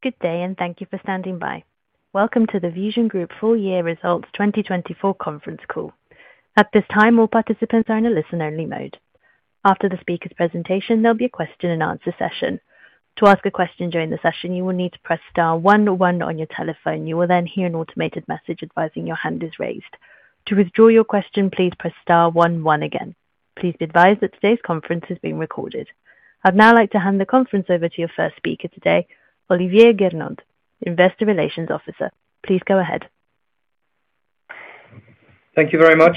Good day, and thank you for standing by. Welcome to the VusionGroup full-year results 2024 conference call. At this time, all participants are in a listen-only mode. After the speaker's presentation, there'll be a question-and-answer session. To ask a question during the session, you will need to press star one one on your telephone. You will then hear an automated message advising your hand is raised. To withdraw your question, please press star one one again. Please be advised that today's conference is being recorded. I'd now like to hand the conference over to your first speaker today, Olivier Gernandt, Investor Relations Officer. Please go ahead. Thank you very much.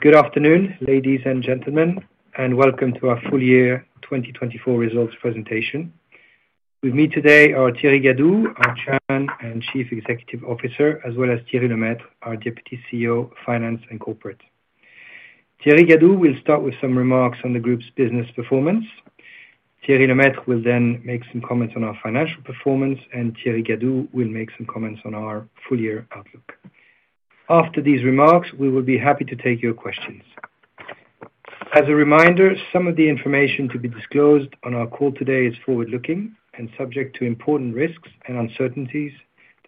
Good afternoon, ladies and gentlemen, and welcome to our full-year 2024 results presentation. With me today are Thierry Gadou, our Chairman and Chief Executive Officer, as well as Thierry Lemaitre, our Deputy CEO, Finance and Corporate. Thierry Gadou will start with some remarks on the Group's business performance. Thierry Lemaitre will then make some comments on our financial performance, and Thierry Gadou will make some comments on our full-year outlook. After these remarks, we will be happy to take your questions. As a reminder, some of the information to be disclosed on our call today is forward-looking and subject to important risks and uncertainties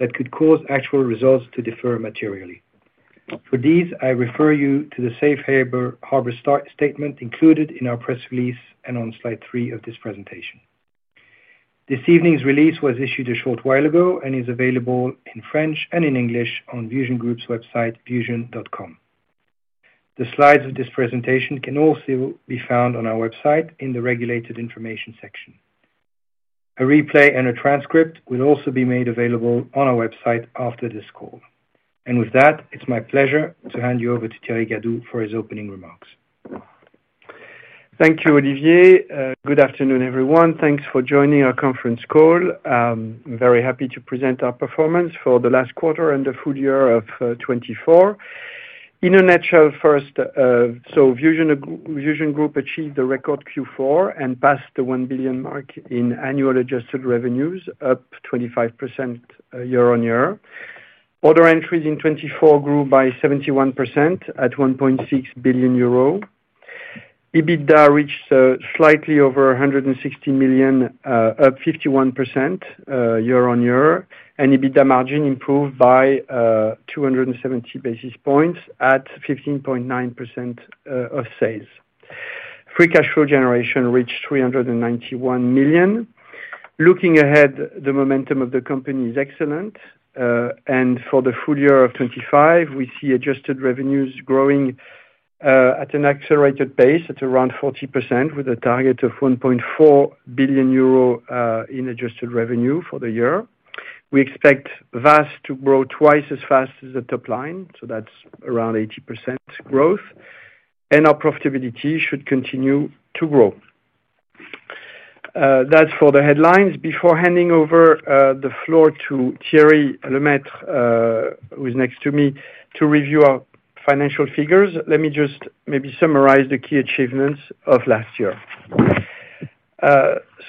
that could cause actual results to differ materially. For these, I refer you to the safe harbor statement included in our press release and on slide three of this presentation. This evening's release was issued a short while ago and is available in French and in English on VusionGroup's website, Vusion.com. The slides of this presentation can also be found on our website in the regulated information section. A replay and a transcript will also be made available on our website after this call, and with that, it's my pleasure to hand you over to Thierry Gadou for his opening remarks. Thank you, Olivier. Good afternoon, everyone. Thanks for joining our conference call. I'm very happy to present our performance for the last quarter and the full year of 2024. In a nutshell, first, so VusionGroup achieved the record Q4 and passed the 1 billion mark in annual adjusted revenues, up 25% year on year. Order entries in 2024 grew by 71% at 1.6 billion euro. EBITDA reached slightly over 160 million, up 51% year on year, and EBITDA margin improved by 270 basis points at 15.9% of sales. Free cash flow generation reached 391 million. Looking ahead, the momentum of the company is excellent, and for the full year of 2025, we see adjusted revenues growing at an accelerated pace at around 40%, with a target of 1.4 billion euro in adjusted revenue for the year. We expect VAS to grow twice as fast as the top line, so that's around 80% growth, and our profitability should continue to grow. That's for the headlines. Before handing over the floor to Thierry Lemaitre, who is next to me, to review our financial figures, let me just maybe summarize the key achievements of last year.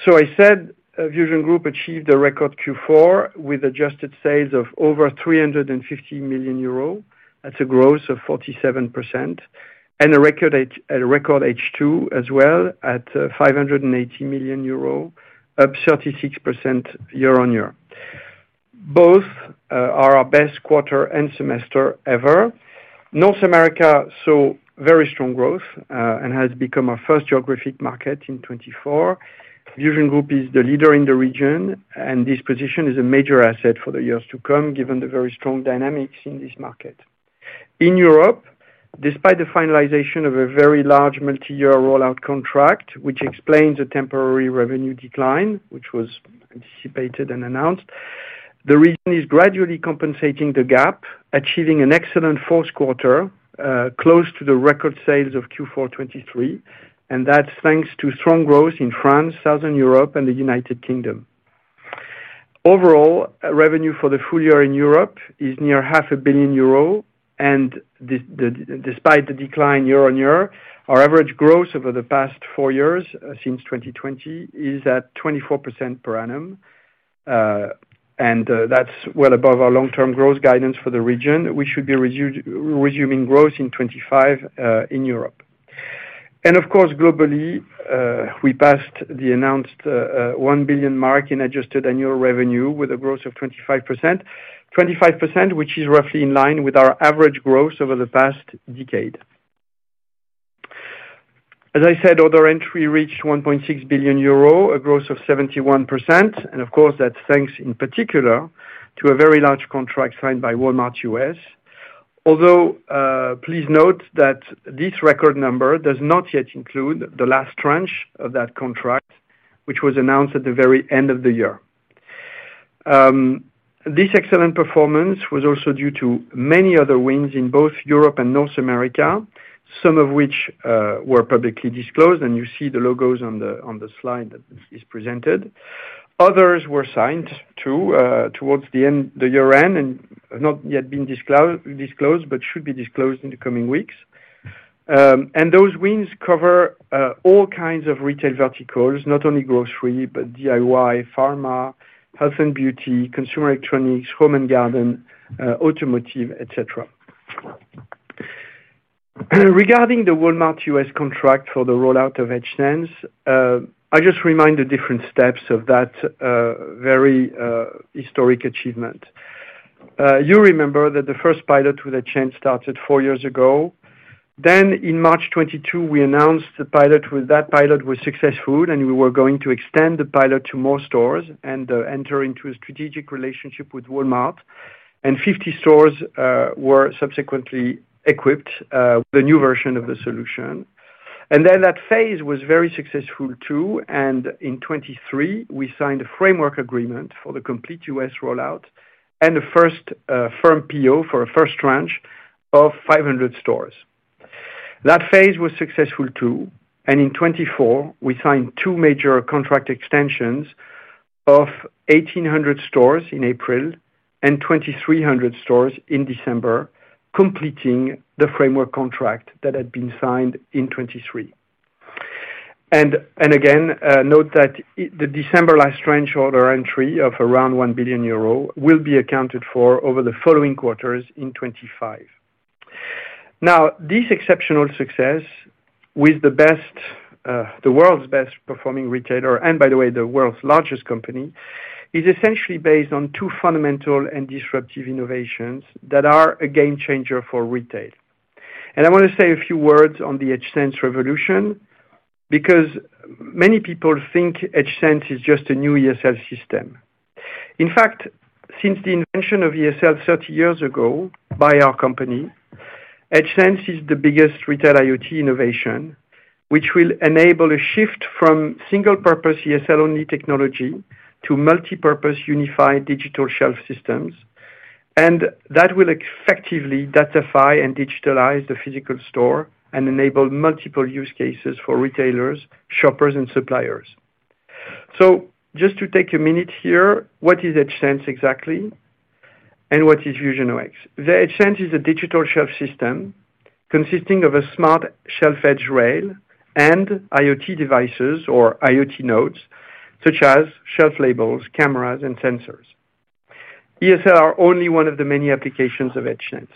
So I said VusionGroup achieved a record Q4 with adjusted sales of over 350 million euros. That's a growth of 47%, and a record H2 as well at 580 million euro, up 36% year on year. Both are our best quarter and semester ever. North America saw very strong growth and has become our first geographic market in 2024. VusionGroup is the leader in the region, and this position is a major asset for the years to come, given the very strong dynamics in this market. In Europe, despite the finalization of a very large multi-year rollout contract, which explains the temporary revenue decline, which was anticipated and announced, the region is gradually compensating the gap, achieving an excellent fourth quarter, close to the record sales of Q4 2023, and that's thanks to strong growth in France, Southern Europe, and the United Kingdom. Overall, revenue for the full year in Europe is near 500 million euro, and despite the decline year on year, our average growth over the past four years since 2020 is at 24% per annum, and that's well above our long-term growth guidance for the region. We should be resuming growth in 2025 in Europe, and of course, globally, we passed the announced 1 billion mark in adjusted annual revenue with a growth of 25%, 25%, which is roughly in line with our average growth over the past decade. As I said, order entry reached 1.6 billion euro, a growth of 71%, and of course, that's thanks in particular to a very large contract signed by Walmart U.S. Although, please note that this record number does not yet include the last tranche of that contract, which was announced at the very end of the year. This excellent performance was also due to many other wins in both Europe and North America, some of which were publicly disclosed, and you see the logos on the slide that is presented. Others were signed too towards the year-end and have not yet been disclosed, but should be disclosed in the coming weeks. And those wins cover all kinds of retail verticals, not only grocery, but DIY, pharma, health and beauty, consumer electronics, home and garden, automotive, etc. Regarding the Walmart U.S. contract for the rollout of EdgeSense, I just remind the different steps of that very historic achievement. You remember that the first pilot with EdgeSense started four years ago, then in March 2022, we announced that pilot was successful, and we were going to extend the pilot to more stores and enter into a strategic relationship with Walmart, and 50 stores were subsequently equipped with a new version of the solution, and then that phase was very successful too, and in 2023, we signed a framework agreement for the complete U.S. rollout and a first firm PO for a first tranche of 500 stores. That phase was successful too, and in 2024, we signed two major contract extensions of 1,800 stores in April and 2,300 stores in December, completing the framework contract that had been signed in 2023. Again, note that the December last tranche order entry of around 1 billion euro will be accounted for over the following quarters in 2025. Now, this exceptional success with the world's best performing retailer, and by the way, the world's largest company, is essentially based on two fundamental and disruptive innovations that are a game changer for retail. I want to say a few words on the EdgeSense revolution because many people think EdgeSense is just a new ESL system. In fact, since the invention of ESL 30 years ago by our company, EdgeSense is the biggest retail IoT innovation, which will enable a shift from single-purpose ESL-only technology to multi-purpose unified digital shelf systems, and that will effectively datafy and digitalize the physical store and enable multiple use cases for retailers, shoppers, and suppliers. So just to take a minute here, what is EdgeSense exactly, and what is VusionOX? The EdgeSense is a digital shelf system consisting of a smart shelf edge rail and IoT devices or IoT nodes, such as shelf labels, cameras, and sensors. ESL are only one of the many applications of EdgeSense.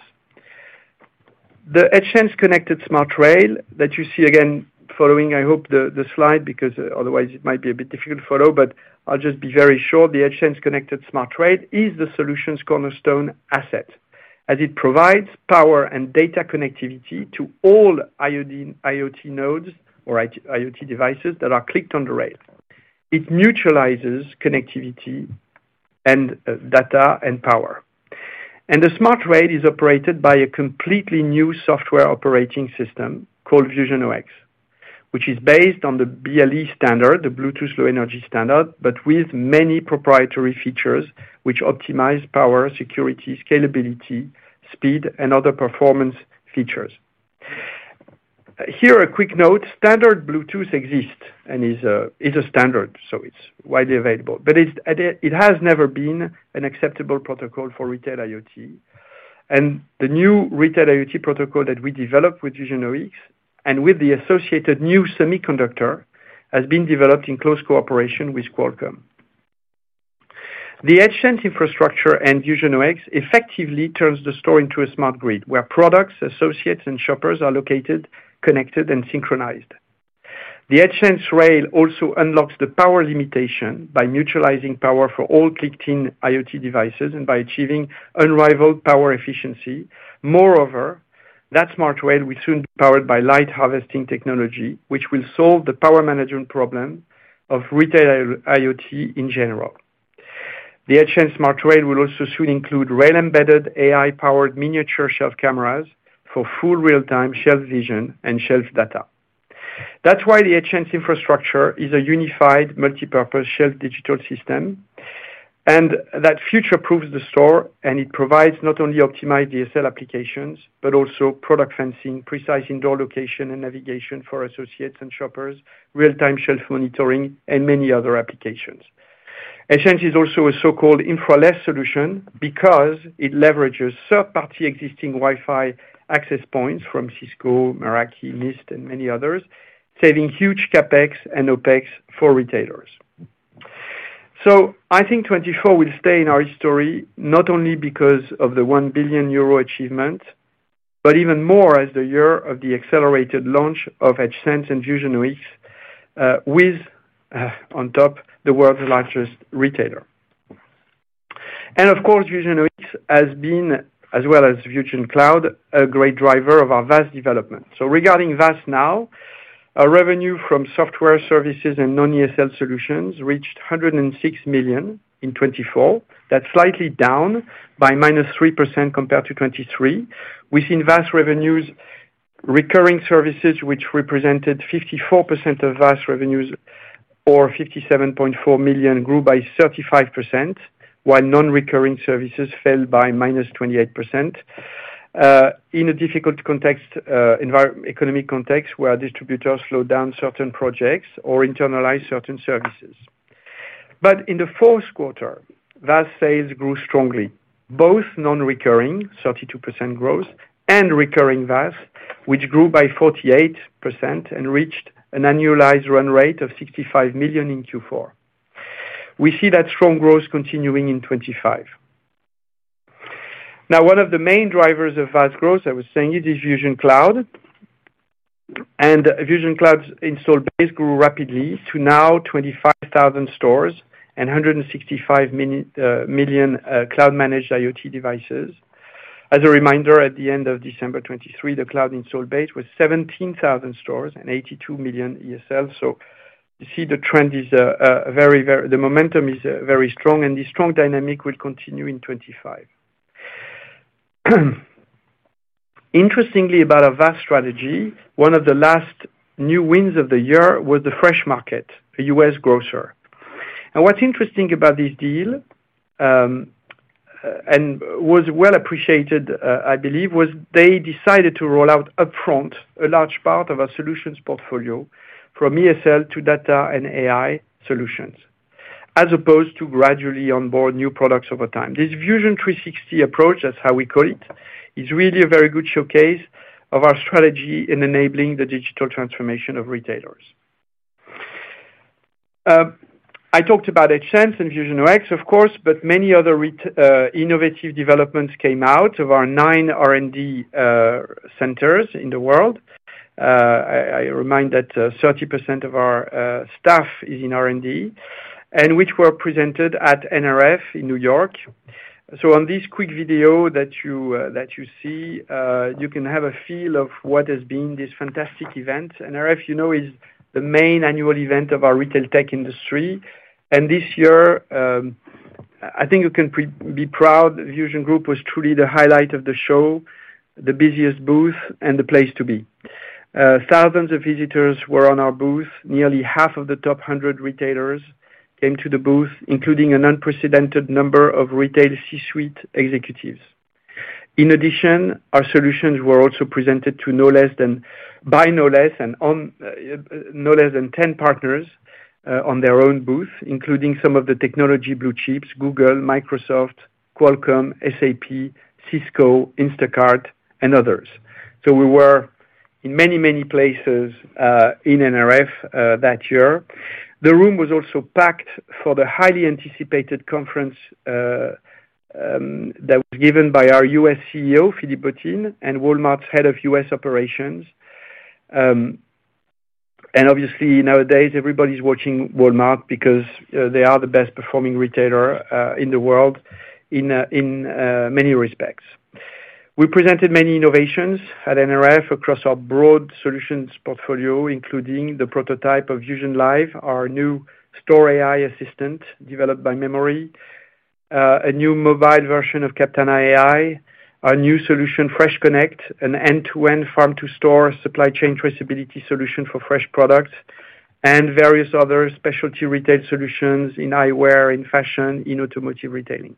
The EdgeSense connected smart rail that you see again following, I hope, the slide because otherwise it might be a bit difficult to follow, but I'll just be very short. The EdgeSense connected smart rail is the solution's cornerstone asset, as it provides power and data connectivity to all IoT nodes or IoT devices that are clicked on the rail. It mutualizes connectivity and data and power. The smart rail is operated by a completely new software operating system called VusionOX, which is based on the BLE standard, the Bluetooth Low Energy standard, but with many proprietary features which optimize power, security, scalability, speed, and other performance features. Here, a quick note, standard Bluetooth exists and is a standard, so it's widely available, but it has never been an acceptable protocol for retail IoT. The new retail IoT protocol that we developed with VusionOX and with the associated new semiconductor has been developed in close cooperation with Qualcomm. The EdgeSense infrastructure and VusionOX effectively turns the store into a smart grid where products, associates, and shoppers are located, connected, and synchronized. The EdgeSense rail also unlocks the power limitation by mutualizing power for all clicked-in IoT devices and by achieving unrivaled power efficiency. Moreover, that smart rail will soon be powered by light harvesting technology, which will solve the power management problem of retail IoT in general. The EdgeSense smart rail will also soon include rail-embedded AI-powered miniature shelf cameras for full real-time shelf vision and shelf data. That's why the EdgeSense infrastructure is a unified multi-purpose shelf digital system, and that future proves the store, and it provides not only optimized ESL applications, but also product fencing, precise indoor location and navigation for associates and shoppers, real-time shelf monitoring, and many other applications. EdgeSense is also a so-called infra-less solution because it leverages third-party existing Wi-Fi access points from Cisco, Meraki, MistT, and many others, saving huge CapEx and OpEx for retailers. So I think 2024 will stay in our history not only because of the 1 billion euro achievement, but even more as the year of the accelerated launch of EdgeSense and VusionOX with, on top, the world's largest retailer. And of course, VusionOX has been, as well as VusionCloud, a great driver of our VAS development. So regarding VAS now, our revenue from software services and non-ESL solutions reached 106 million in 2024. That's slightly down by -3% compared to 2023. We've seen VAS revenues, recurring services, which represented 54% of VAS revenues, or 57.4 million, grew by 35%, while non-recurring services fell by -28% in a difficult economic context where distributors slowed down certain projects or internalized certain services. But in the fourth quarter, VAS sales grew strongly, both non-recurring, 32% growth, and recurring VAS, which grew by 48% and reached an annualized run rate of 65 million in Q4. We see that strong growth continuing in 2025. Now, one of the main drivers of VAS growth, I was saying, is VusionCloud. And VusionCloud's install base grew rapidly to now 25,000 stores and 165 million cloud-managed IoT devices. As a reminder, at the end of December 2023, the cloud install base was 17,000 stores and 82 million ESL. So you see the trend is very, the momentum is very strong, and this strong dynamic will continue in 2025. Interestingly, about our VAS strategy, one of the last new wins of the year was The Fresh Market, a U.S. grocer. And what's interesting about this deal and was well appreciated, I believe, was they decided to roll out upfront a large part of our solutions portfolio from ESL to data and AI solutions, as opposed to gradually onboard new products over time. This Vusion360 approach, that's how we call it, is really a very good showcase of our strategy in enabling the digital transformation of retailers. I talked about EdgeSense and VusionOX, of course, but many other innovative developments came out of our nine R&D centers in the world. I remind that 30% of our staff is in R&D, and which were presented at NRF in New York. So on this quick video that you see, you can have a feel of what has been this fantastic event. NRF, you know, is the main annual event of our retail tech industry. This year, I think you can be proud VusionGroup was truly the highlight of the show, the busiest booth, and the place to be. Thousands of visitors were on our booth. Nearly half of the top 100 retailers came to the booth, including an unprecedented number of retail C-suite executives. In addition, our solutions were also presented to no less than 10 partners on their own booth, including some of the technology blue chips: Google, Microsoft, Qualcomm, SAP, Cisco, Instacart, and others. So we were in many, many places in NRF that year. The room was also packed for the highly anticipated conference that was given by our U.S. CEO, Philippe Bottine, and Walmart's head of U.S. operations. Obviously, nowadays, everybody's watching Walmart because they are the best performing retailer in the world in many respects. We presented many innovations at NRF across our broad solutions portfolio, including the prototype of VusionLive, our new store AI assistant developed by Memory, a new mobile version of Captana AI, our new solution, FreshConnect, an end-to-end farm-to-store supply chain traceability solution for fresh products, and various other specialty retail solutions in eyewear, in fashion, in automotive retailing.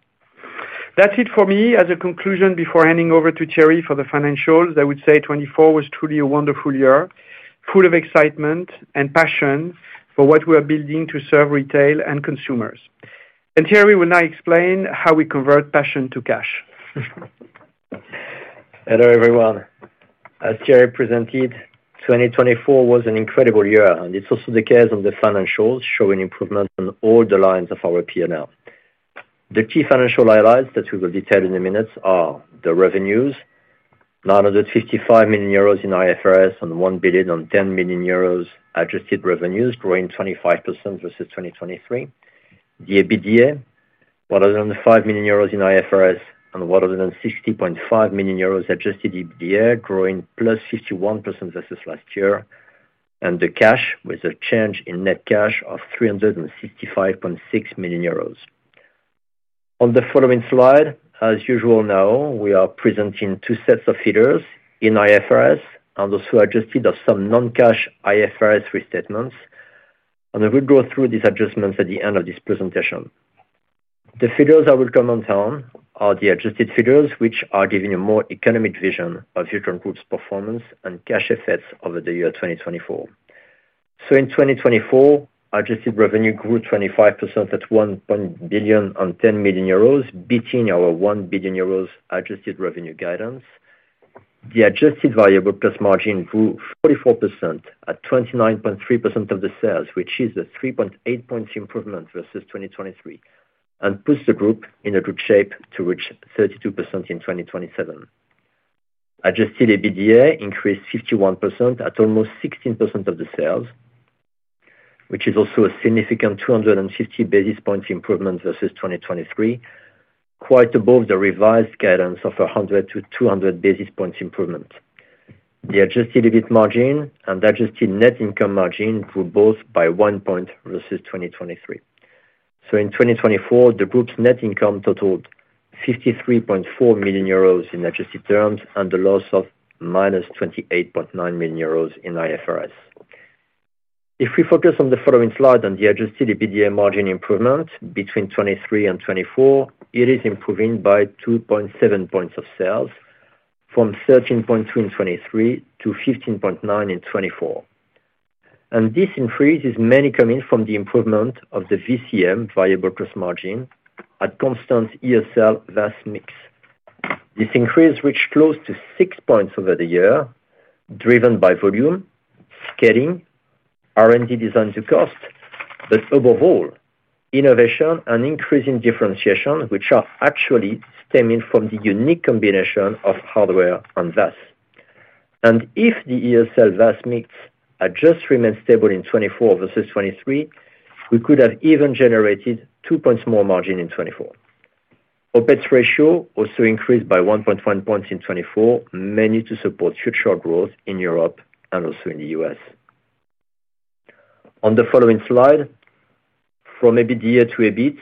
That's it for me. As a conclusion, before handing over to Thierry for the financials, I would say 2024 was truly a wonderful year, full of excitement and passion for what we are building to serve retail and consumers, and Thierry will now explain how we convert passion to cash. Hello everyone. As Thierry presented, 2024 was an incredible year, and it's also the case on the financials, showing improvement on all the lines of our P&L. The key financial highlights that we will detail in a minute are the revenues: 955 million euros in IFRS and 1 billion on 10 million euros adjusted revenues, growing 25% versus 2023. The EBITDA: 105 million euros in IFRS and 160.5 million euros adjusted EBITDA, growing plus 51% versus last year, and the cash with a change in net cash of 365.6 million euros. On the following slide, as usual now, we are presenting two sets of figures in IFRS and also adjusted of some non-cash IFRS restatements, and we'll go through these adjustments at the end of this presentation. The figures I will comment on are the adjusted figures, which are giving a more economic vision of VusionGroup's performance and cash effects over the year 2024, so in 2024, adjusted revenue grew 25% at 1 billion on 10 million euros, beating our 1 billion euros adjusted revenue guidance. The adjusted Variable Cost Margin grew 44% at 29.3% of the sales, which is a 3.8 points improvement versus 2023, and puts the Group in a good shape to reach 32% in 2027. Adjusted EBITDA increased 51% at almost 16% of the sales, which is also a significant 250 basis points improvement versus 2023, quite above the revised guidance of 100 to 200 basis points improvement. The adjusted EBIT margin and adjusted net income margin grew both by one point versus 2023. So in 2024, the Group's net income totaled 53.4 million euros in adjusted terms and the loss of minus 28.9 million euros in IFRS. If we focus on the following slide on the adjusted EBITDA margin improvement between 2023 and 2024, it is improving by 2.7 points of sales, from 13.2 in 2023 to 15.9 in 2024. This increase is mainly coming from the improvement of the VCM variable plus margin at constant ESL-VAS mix. This increase reached close to six points over the year, driven by volume, scaling, R&D design to cost, but above all, innovation and increasing differentiation, which are actually stemming from the unique combination of hardware and VAS. If the ESL-VAS mix had just remained stable in 2024 versus 2023, we could have even generated two points more margin in 2024. OpEx ratio also increased by 1.1 points in 2024, mainly to support future growth in Europe and also in the U.S. On the following slide, from EBITDA to EBIT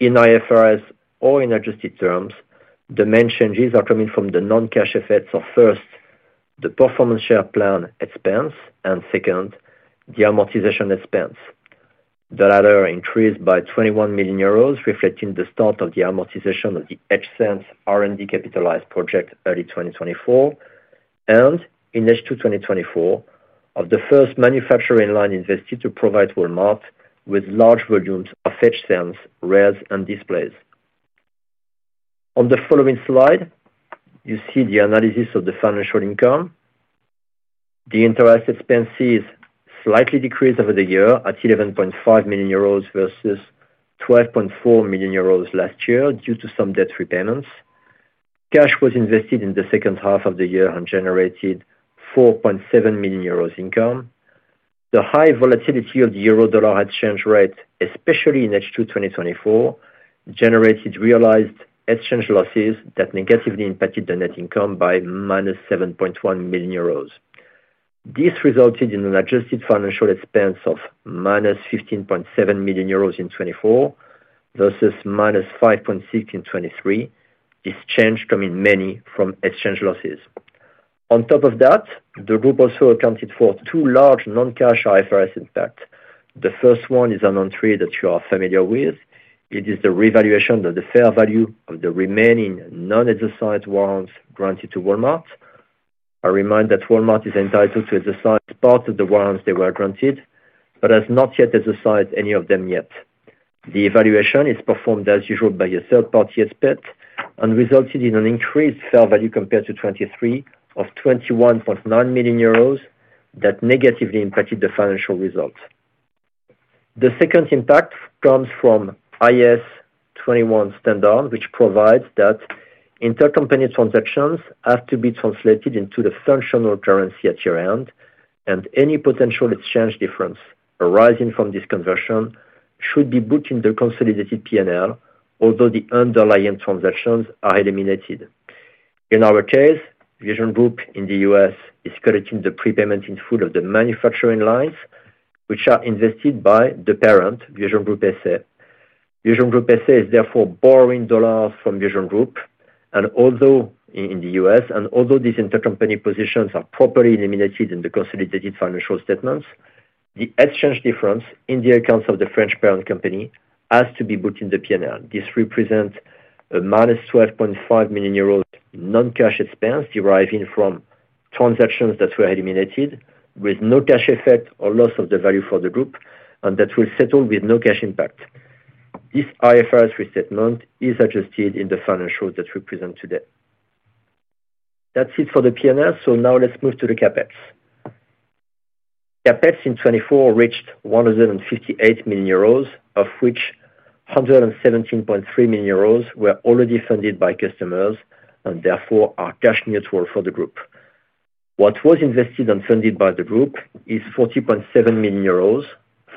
in IFRS or in adjusted terms, the main changes are coming from the non-cash effects of first, the performance share plan expense, and second, the amortization expense. The latter increased by 21 million euros, reflecting the start of the amortization of the EdgeSense R&D capitalized project early 2024, and in H2 2024, of the first manufacturing line invested to provide Walmart with large volumes of EdgeSense rails and displays. On the following slide, you see the analysis of the financial income. The interest expenses slightly decreased over the year at 11.5 million euros versus 12.4 million euros last year due to some debt repayments. Cash was invested in the second half of the year and generated 4.7 million euros income. The high volatility of the euro/dollar exchange rate, especially in H2 2024, generated realized exchange losses that negatively impacted the net income by -7.1 million euros. This resulted in an adjusted financial expense of -15.7 million euros in 2024 versus -5.6 million in 2023. This change coming mainly from exchange losses. On top of that, the Group also accounted for two large non-cash IFRS impacts. The first one is an entry that you are familiar with. It is the revaluation of the fair value of the remaining non-exercised warrants granted to Walmart. I remind that Walmart is entitled to exercise part of the warrants they were granted, but has not yet exercised any of them yet. The evaluation is performed as usual by a third-party expert and resulted in an increased fair value compared to 2023 of 21.9 million euros that negatively impacted the financial result. The second impact comes from IAS 21 standard, which provides that intercompany transactions have to be translated into the functional currency at year-end, and any potential exchange difference arising from this conversion should be booked in the consolidated P&L, although the underlying transactions are eliminated. In our case, VusionGroup in the U.S. is collecting the prepayment in full of the manufacturing lines, which are invested by the parent, VusionGroup SA. VusionGroup SA is therefore borrowing dollars from VusionGroup, and although in the U.S., and although these intercompany positions are properly eliminated in the consolidated financial statements, the exchange difference in the accounts of the French parent company has to be booked in the P&L. This represents a -12.5 million euros non-cash expense deriving from transactions that were eliminated with no cash effect or loss of the value for the Group, and that will settle with no cash impact. This IFRS restatement is adjusted in the financials that we present today. That's it for the P&L. So now let's move to the CapEx. CapEx in 2024 reached 158 million euros, of which 117.3 million euros were already funded by customers and therefore are cash neutral for the Group. What was invested and funded by the Group is 40.7 million euros,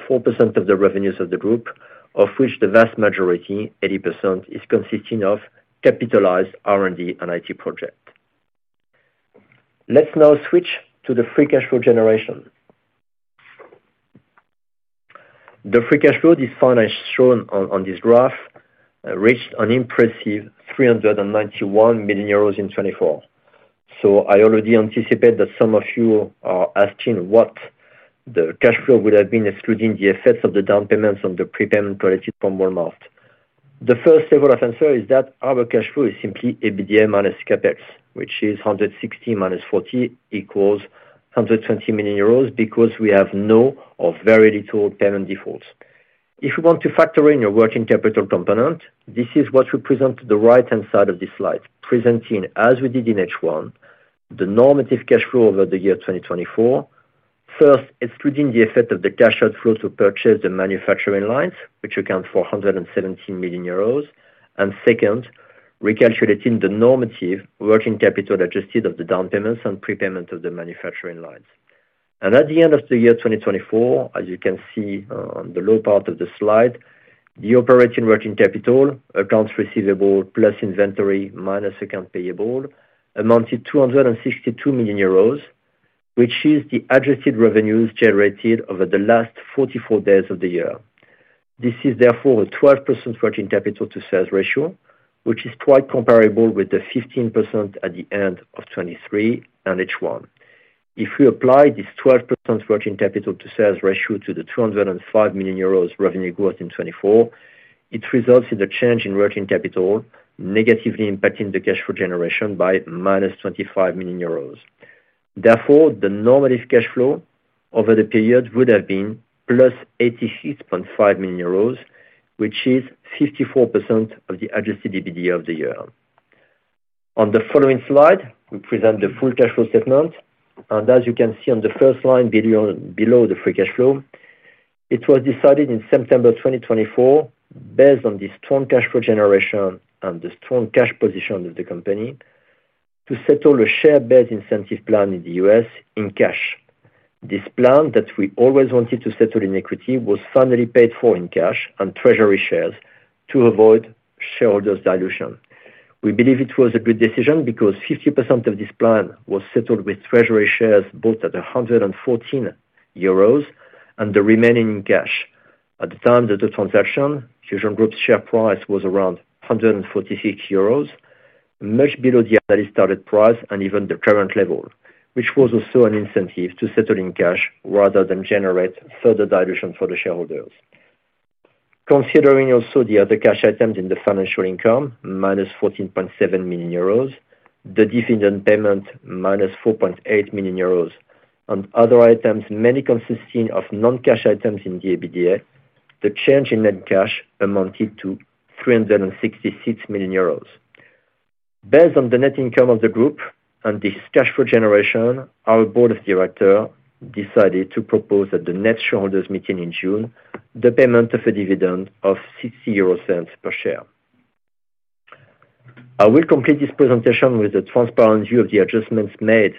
4% of the revenues of the Group, of which the vast majority, 80%, is consisting of capitalized R&D and IT projects. Let's now switch to the free cash flow generation. The free cash flow, this finance shown on this graph, reached an impressive 391 million euros in 2024. So I already anticipate that some of you are asking what the cash flow would have been excluding the effects of the down payments on the prepayment collected from Walmart. The first level of answer is that our cash flow is simply EBITDA minus CapEx, which is 160 minus 40 equals 120 million euros because we have no or very little payment defaults. If we want to factor in your working capital component, this is what we present to the right-hand side of this slide, presenting, as we did in H1, the normative cash flow over the year 2024, first, excluding the effect of the cash outflow to purchase the manufacturing lines, which accounts for 117 million euros, and second, recalculating the normative working capital adjusted of the down payments and prepayment of the manufacturing lines, and at the end of the year 2024, as you can see on the lower part of the slide, the operating working capital, accounts receivable plus inventory minus accounts payable, amounted to 262 million euros, which is the adjusted revenues generated over the last 44 days of the year. This is therefore a 12% working capital to sales ratio, which is quite comparable with the 15% at the end of 2023 and H1. If we apply this 12% working capital to sales ratio to the 205 million euros revenue growth in 2024, it results in a change in working capital negatively impacting the cash flow generation by -25 million euros. Therefore, the normative cash flow over the period would have been plus +86.5 million euros, which is 54% of the adjusted EBITDA of the year. On the following slide, we present the full cash flow statement. And as you can see on the first line below the free cash flow, it was decided in September 2024, based on the strong cash flow generation and the strong cash position of the company, to settle a share-based incentive plan in the U.S. in cash. This plan that we always wanted to settle in equity was finally paid for in cash and treasury shares to avoid shareholders' dilution. We believe it was a good decision because 50% of this plan was settled with treasury shares bought at 114 euros and the remaining in cash. At the time of the transaction, VusionGroup's share price was around 146 euros, much below the early started price and even the current level, which was also an incentive to settle in cash rather than generate further dilution for the shareholders. Considering also the other cash items in the financial income, -14.7 million euros, the dividend payment, 4.8 million euros, and other items, mainly consisting of non-cash items in the EBITDA, the change in net cash amounted to 366 million euros. Based on the net income of the Group and this cash flow generation, our Board of Directors decided to propose at the next shareholders' meeting in June the payment of a dividend of 0.60 per share. I will complete this presentation with a transparent view of the adjustments made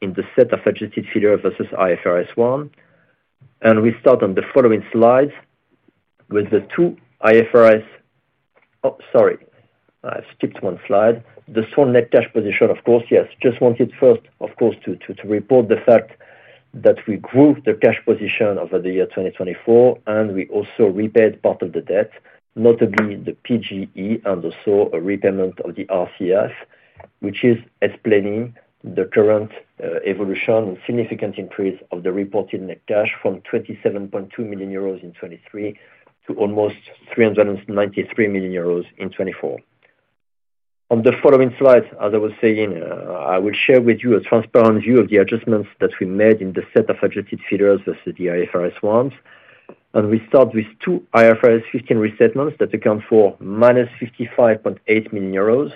in the set of adjusted figures versus IFRS 1. And we start on the following slides with the two IFRS. Oh, sorry, I skipped one slide. The strong net cash position, of course, yes. Just wanted first, of course, to report the fact that we grew the cash position over the year 2024, and we also repaid part of the debt, notably the PGE and also a repayment of the RCF, which is explaining the current evolution and significant increase of the reported net cash from 27.2 million euros in 2023 to almost 393 million euros in 2024. On the following slide, as I was saying, I will share with you a transparent view of the adjustments that we made in the set of adjusted figures versus the IFRS 1. We start with two IFRS 15 restatements that account for -55.8 million euros.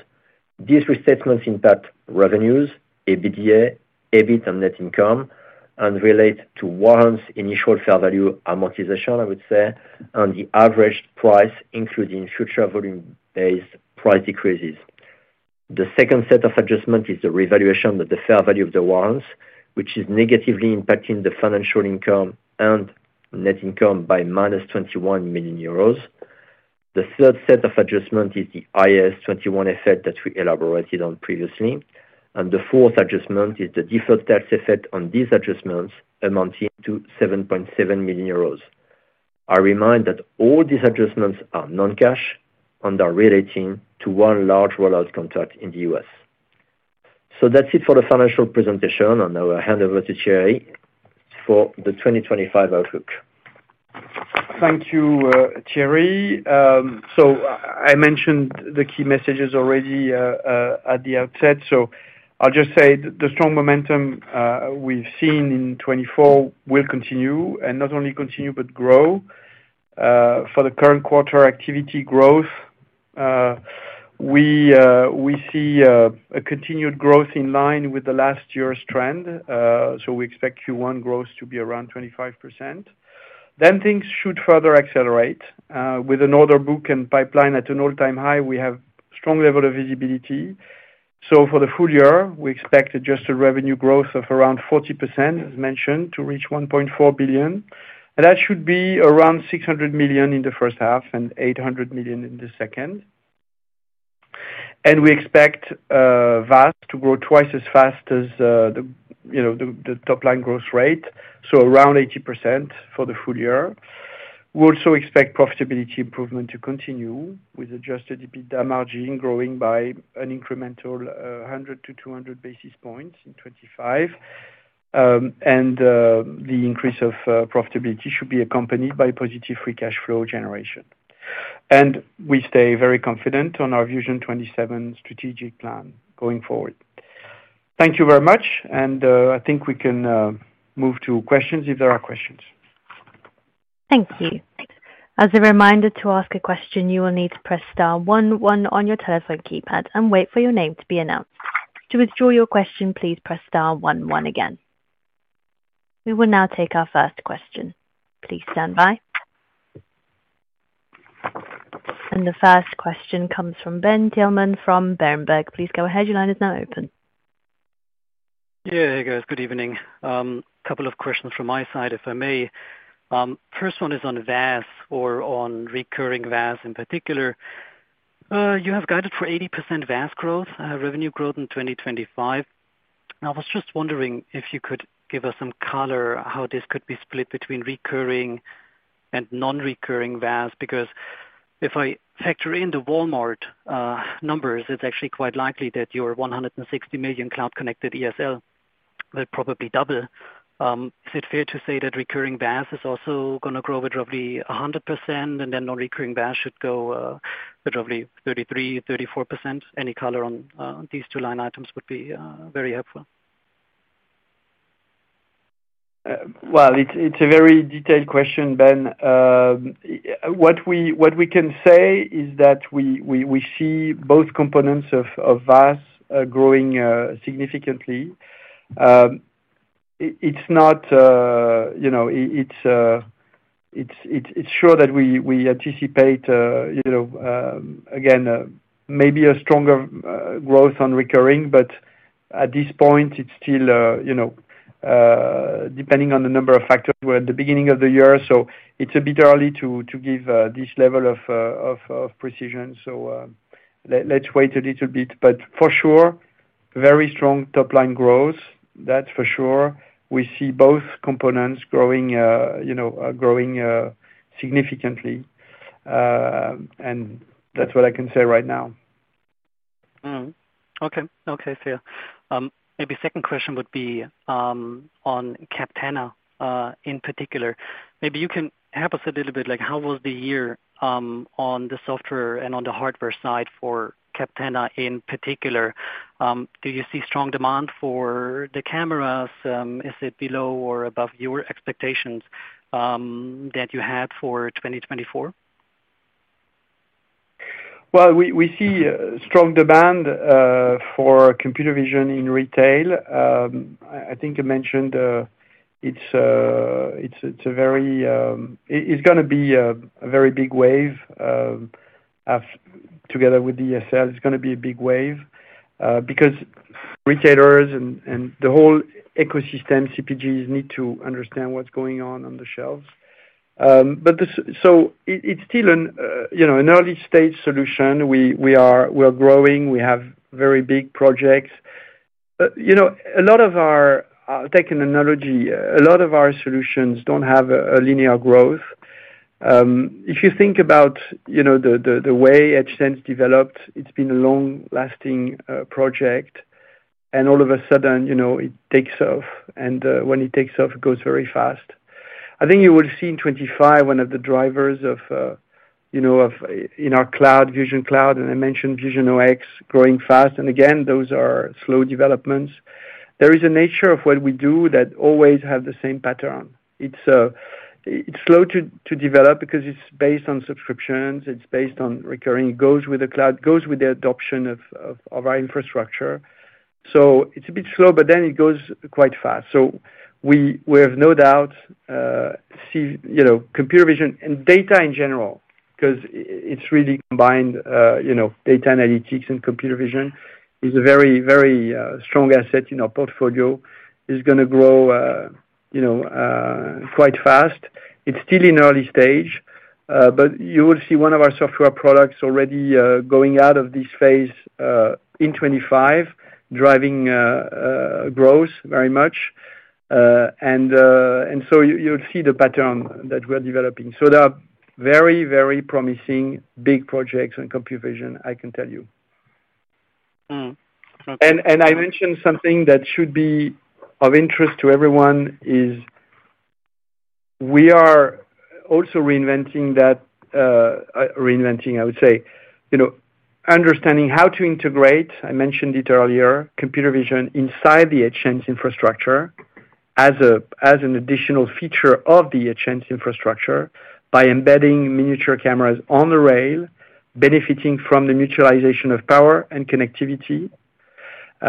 These restatements impact revenues, EBITDA, EBIT, and net income, and relate to warrants' initial fair value amortization, I would say, and the averaged price, including future volume-based price decreases. The second set of adjustments is the revaluation of the fair value of the warrants, which is negatively impacting the financial income and net income by minus 21 million euros. The third set of adjustments is the IAS 21 effect that we elaborated on previously. The fourth adjustment is the deferred tax effect on these adjustments, amounting to 7.7 million euros. I remind that all these adjustments are non-cash and are relating to one large rollout contract in the U.S. That's it for the financial presentation, and I will hand over to Thierry for the 2025 outlook. Thank you, Thierry. I mentioned the key messages already at the outset. I'll just say the strong momentum we've seen in 2024 will continue, and not only continue, but grow. For the current quarter activity growth, we see a continued growth in line with the last year's trend. We expect Q1 growth to be around 25%. Then things should further accelerate. With an order book and pipeline at an all-time high, we have strong level of visibility. For the full year, we expect adjusted revenue growth of around 40%, as mentioned, to reach 1.4 billion. That should be around 600 million in the first half and 800 million in the second. We expect VAS to grow twice as fast as the top-line growth rate, so around 80% for the full year. We also expect profitability improvement to continue with adjusted EBITDA margin growing by an incremental 100-200 basis points in 2025. And the increase of profitability should be accompanied by positive free cash flow generation. And we stay very confident on our Vusion '27 strategic plan going forward. Thank you very much. And I think we can move to questions if there are questions. Thank you. As a reminder to ask a question, you will need to press star one one on your telephone keypad and wait for your name to be announced. To withdraw your question, please press star one one again. We will now take our first question. Please stand by. And the first question comes from Ben Thielmann from Berenberg. Please go ahead. Your line is now open. Yeah, there you go. Good evening. A couple of questions from my side, if I may. First one is on VAS or on recurring VAS in particular. You have guided for 80% VAS growth, revenue growth in 2025. I was just wondering if you could give us some color how this could be split between recurring and non-recurring VAS because if I factor in the Walmart numbers, it's actually quite likely that your 160 million cloud-connected ESL will probably double. Is it fair to say that recurring VAS is also going to grow with roughly 100%, and then non-recurring VAS should go with roughly 33%-34%? Any color on these two line items would be very helpful. Well, it's a very detailed question, Ben. What we can say is that we see both components of VAS growing significantly. It's not sure that we anticipate, again, maybe a stronger growth on recurring, but at this point, it's still depending on the number of factors. We're at the beginning of the year, so it's a bit early to give this level of precision, so let's wait a little bit, but for sure, very strong top-line growth, that's for sure. We see both components growing significantly, and that's what I can say right now. Okay. Okay, there. Maybe second question would be on Captana in particular. Maybe you can help us a little bit. How was the year on the software and on the hardware side for Captana in particular? Do you see strong demand for the cameras? Is it below or above your expectations that you had for 2024? Well, we see strong demand for computer vision in retail. I think I mentioned it's a very, it's going to be a very big wave together with the ESL. It's going to be a big wave because retailers and the whole ecosystem, CPGs, need to understand what's going on on the shelves, but so it's still an early-stage solution. We are growing. We have very big projects. A lot of our tech and technology, a lot of our solutions don't have a linear growth. If you think about the way EdgeSense developed, it's been a long-lasting project, and all of a sudden, it takes off, and when it takes off, it goes very fast. I think you will see in 2025 one of the drivers of in our cloud, VusionCloud, and I mentioned VusionOX, growing fast, and again, those are slow developments. There is a nature of what we do that always has the same pattern. It's slow to develop because it's based on subscriptions. It's based on recurring. It goes with the cloud, goes with the adoption of our infrastructure. So it's a bit slow, but then it goes quite fast. So we have no doubt computer vision and data in general because it's really combined data analytics and computer vision is a very, very strong asset in our portfolio. It's going to grow quite fast. It's still in early stage. But you will see one of our software products already going out of this phase in 2025, driving growth very much. And so you'll see the pattern that we're developing. So there are very, very promising big projects on computer vision, I can tell you. I mentioned something that should be of interest to everyone. We are also reinventing that, I would say, understanding how to integrate, I mentioned it earlier, computer vision inside the EdgeSense infrastructure as an additional feature of the EdgeSense infrastructure by embedding miniature cameras on the rail, benefiting from the neutralization of power and connectivity,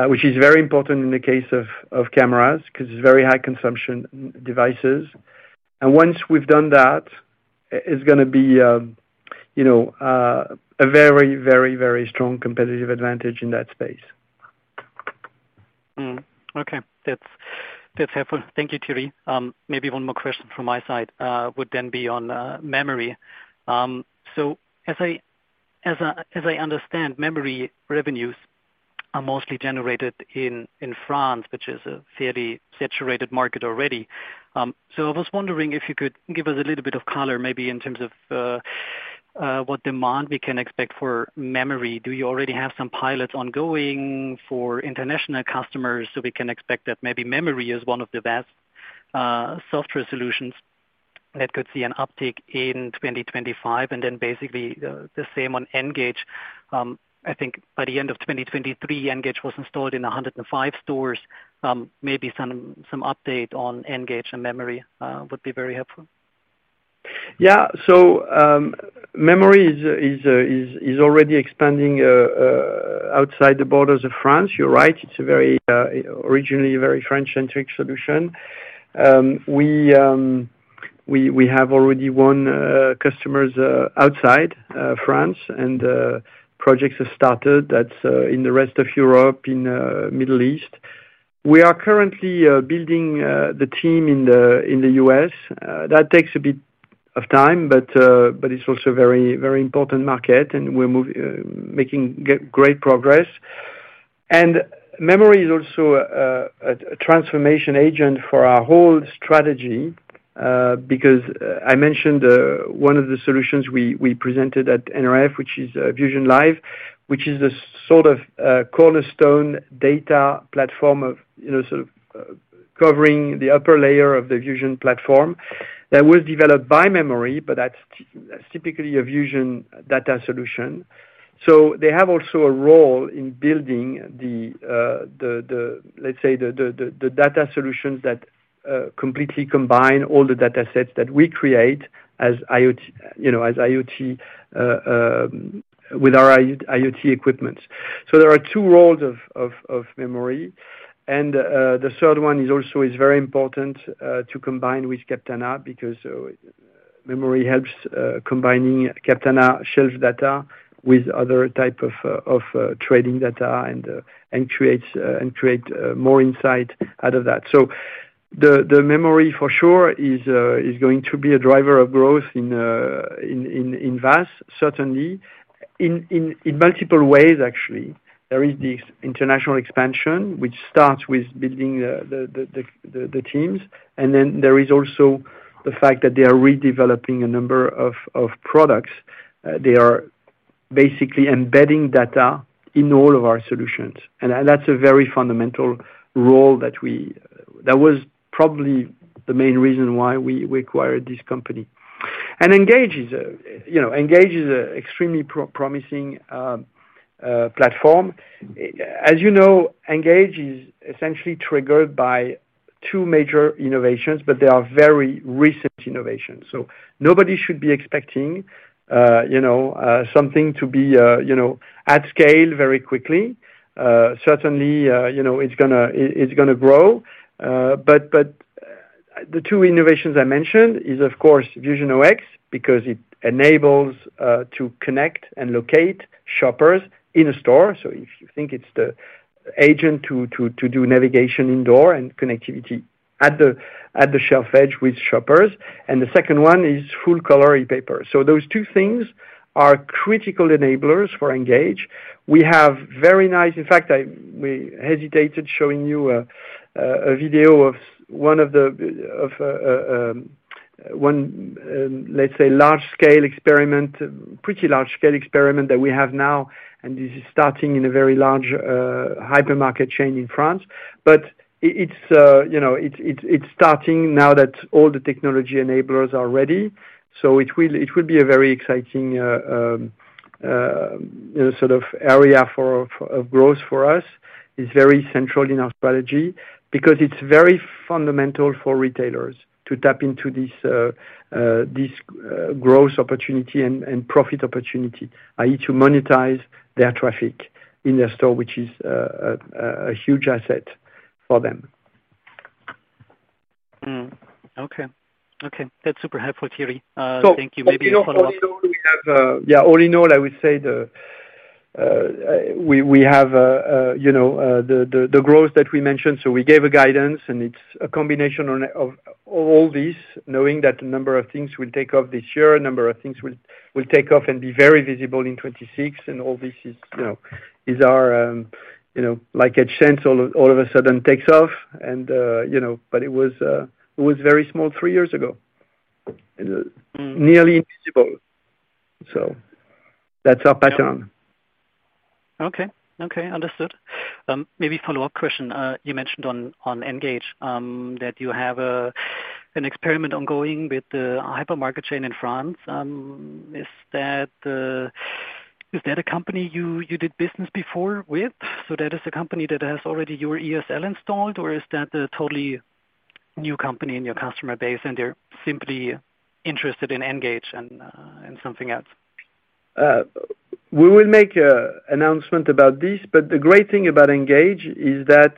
which is very important in the case of cameras because it's very high-consumption devices. Once we've done that, it's going to be a very, very, very strong competitive advantage in that space. Okay. That's helpful. Thank you, Thierry. Maybe one more question from my side would then be on Memory, so as I understand, Memory revenues are mostly generated in France, which is a fairly saturated market already. So I was wondering if you could give us a little bit of color maybe in terms of what demand we can expect for Memory. Do you already have some pilots ongoing for international customers? So we can expect that maybe Memory is one of the best software solutions that could see an uptick in 2025. And then basically the same on Engage. I think by the end of 2023, Engage was installed in 105 stores. Maybe some update on Engage and Memory would be very helpful. Yeah. So Memory is already expanding outside the borders of France. You're right. It's originally a very French-centric solution. We have already one customer outside France, and projects have started. That's in the rest of Europe, in the Middle East. We are currently building the team in the U.S. That takes a bit of time, but it's also a very important market, and we're making great progress. Memory is also a transformation agent for our whole strategy because I mentioned one of the solutions we presented at NRF, which is VusionLive, which is the sort of cornerstone data platform of sort of covering the upper layer of the Vusion platform that was developed by Memory, but that's typically a Vusion data solution. They have also a role in building, let's say, the data solutions that completely combine all the data sets that we create as IoT with our IoT equipment. There are two roles of Memory. The third one is also very important to combine with Captana because Memory helps combining Captana shelf data with other types of trading data and creates more insight out of that. The Memory, for sure, is going to be a driver of growth in VAS, certainly in multiple ways, actually. There is the international expansion, which starts with building the teams, and then there is also the fact that they are redeveloping a number of products. They are basically embedding data in all of our solutions, and that's a very fundamental role that was probably the main reason why we acquired this company, and Engage is an extremely promising platform. As you know, Engage is essentially triggered by two major innovations, but they are very recent innovations, so nobody should be expecting something to be at scale very quickly. Certainly, it's going to grow, but the two innovations I mentioned are, of course, VusionOX because it enables us to connect and locate shoppers in a store, so if you think it's the agent to do navigation indoor and connectivity at the shelf edge with shoppers, and the second one is full-color e-paper. So those two things are critical enablers for Engage. We have very nice, in fact, I hesitated showing you a video of one of the, let's say, large-scale experiments, pretty large-scale experiments that we have now. And this is starting in a very large hypermarket chain in France. But it's starting now that all the technology enablers are ready. So it will be a very exciting sort of area of growth for us. It's very central in our strategy because it's very fundamental for retailers to tap into this growth opportunity and profit opportunity, i.e., to monetize their traffic in their store, which is a huge asset for them. Okay. Okay. That's super helpful, Thierry. Thank you. Maybe a follow-up. Yeah. All in all, I would say we have the growth that we mentioned. We gave a guidance, and it's a combination of all these, knowing that a number of things will take off this year, a number of things will take off and be very visible in 2026. And all this is our—like EdgeSense, all of a sudden, takes off. But it was very small three years ago, nearly invisible. So that's our pattern. Okay. Okay. Understood. Maybe a follow-up question. You mentioned on Engage that you have an experiment ongoing with the hypermarket chain in France. Is that a company you did business before with? So that is a company that has already your ESL installed, or is that a totally new company in your customer base and they're simply interested in Engage and something else? We will make an announcement about this. But the great thing about Engage is that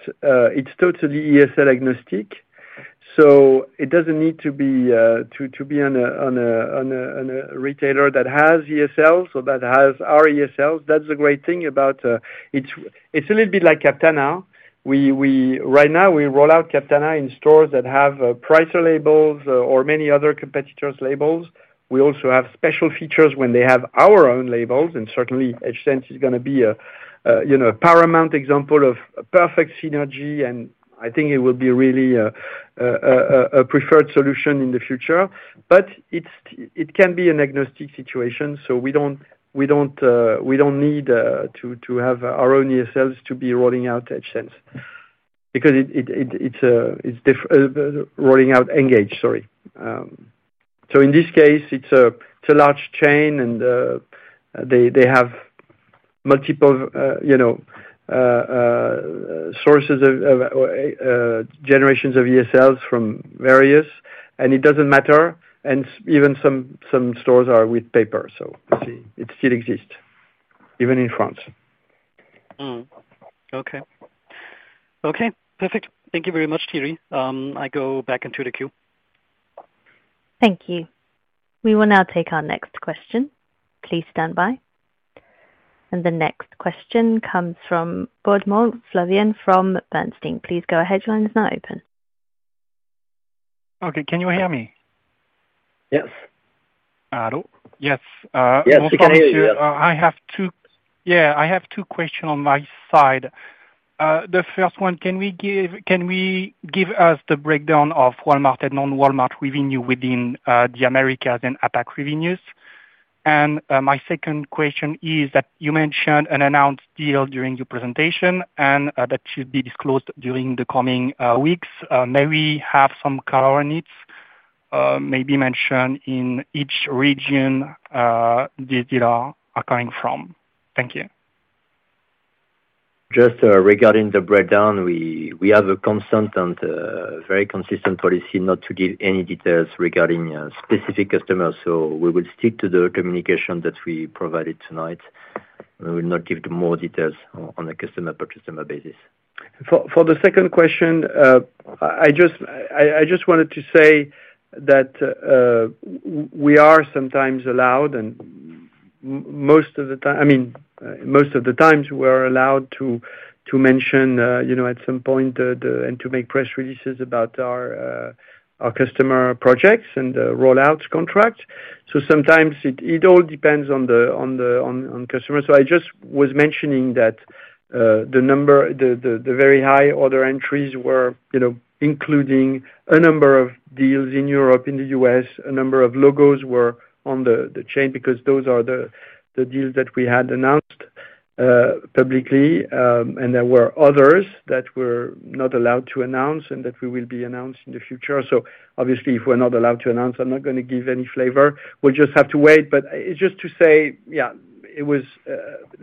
it's totally ESL agnostic. So it doesn't need to be on a retailer that has ESLs or that has our ESLs. That's the great thing about it. It's a little bit like Captanna. Right now, we roll out Captanna in stores that have Pricer labels or many other competitors' labels. We also have special features when they have our own labels. And certainly, EdgeSense is going to be a paramount example of perfect synergy. And I think it will be really a preferred solution in the future. But it can be an agnostic situation. So we don't need to have our own ESLs to be rolling out EdgeSense because it's, rolling out Engage, sorry. So in this case, it's a large chain, and they have multiple sources, generations of ESLs from various. And it doesn't matter. And even some stores are with paper. So you see, it still exists, even in France. Okay. Okay. Perfect. Thank you very much, Thierry. I go back into the queue. Thank you. We will now take our next question. Please stand by. The next question comes from Baudemont, Flavien from Bernstein. Please go ahead. Your line is now open. Okay. Can you hear me? Yes. Yes. I have two questions. Yeah. I have two questions on my side. The first one, can we give us the breakdown of Walmart and non-Walmart revenue within the Americas and APAC revenues? And my second question is that you mentioned an announced deal during your presentation and that should be disclosed during the coming weeks. May we have some color on it? Maybe mention in each region these deals are coming from. Thank you. Just regarding the breakdown, we have a constant and very consistent policy not to give any details regarding specific customers. So we will stick to the communication that we provided tonight. We will not give more details on a customer-by-customer basis. For the second question, I just wanted to say that we are sometimes allowed, and most of the time I mean, most of the time, we're allowed to mention at some point and to make press releases about our customer projects and rollout contracts. So sometimes it all depends on the customer. So I just was mentioning that the very high order entries were including a number of deals in Europe, in the U.S. A number of logos were on the chain because those are the deals that we had announced publicly. And there were others that were not allowed to announce and that we will be announcing in the future. So obviously, if we're not allowed to announce, I'm not going to give any flavor. We'll just have to wait. But just to say, yeah,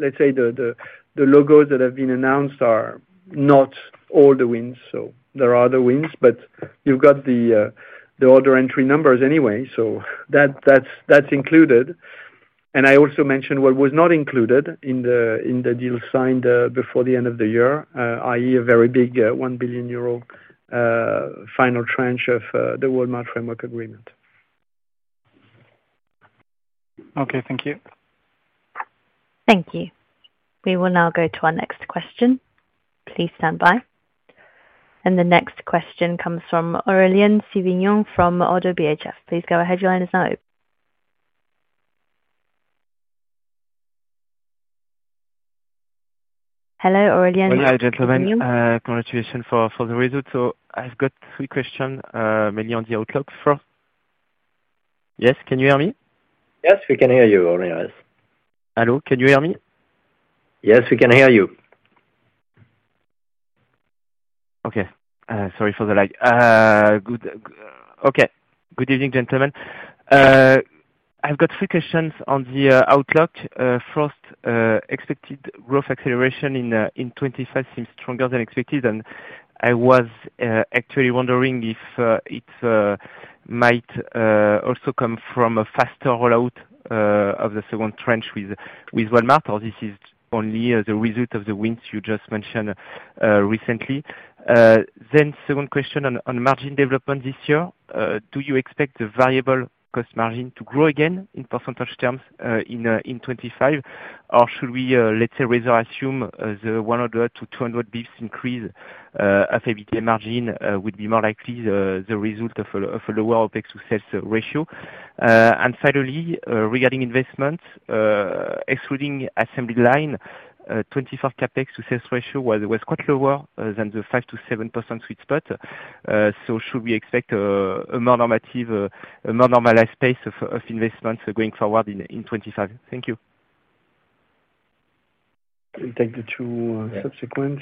let's say the logos that have been announced are not all the wins. So there are other wins, but you've got the order entry numbers anyway. So that's included. I also mentioned what was not included in the deal signed before the end of the year, i.e., a very big 1 billion euro final tranche of the Walmart framework agreement. Okay. Thank you. Thank you. We will now go to our next question. Please stand by. The next question comes from Aurélien Sivignon from ODDO BHF. Please go ahead. Your line is now open. Hello, Aurélien. Hi, gentlemen. Congratulations for the result. So I've got three questions, mainly on the outlook first. Yes. Can you hear me? Yes. We can hear you, Aurélien. Yes. Hello. Can you hear me? Yes. We can hear you. Okay. Sorry for the lag. Okay. Good evening, gentlemen. I've got three questions on the outlook. First, expected growth acceleration in 2025 seems stronger than expected, and I was actually wondering if it might also come from a faster rollout of the second tranche with Walmart, or this is only the result of the wins you just mentioned recently, then second question on margin development this year. Do you expect the variable cost margin to grow again in percentage terms in 2025, or should we, let's say, rather assume the 100-200 basis points increase of EBITDA margin would be more likely the result of a lower OpEx-to-sales ratio, and finally, regarding investments, excluding assembly line, 2024 CapEx to sales ratio was quite lower than the 5%-7% sweet spot, so should we expect a more normalized pace of investments going forward in 2025? Thank you. We'll take the two subsequent.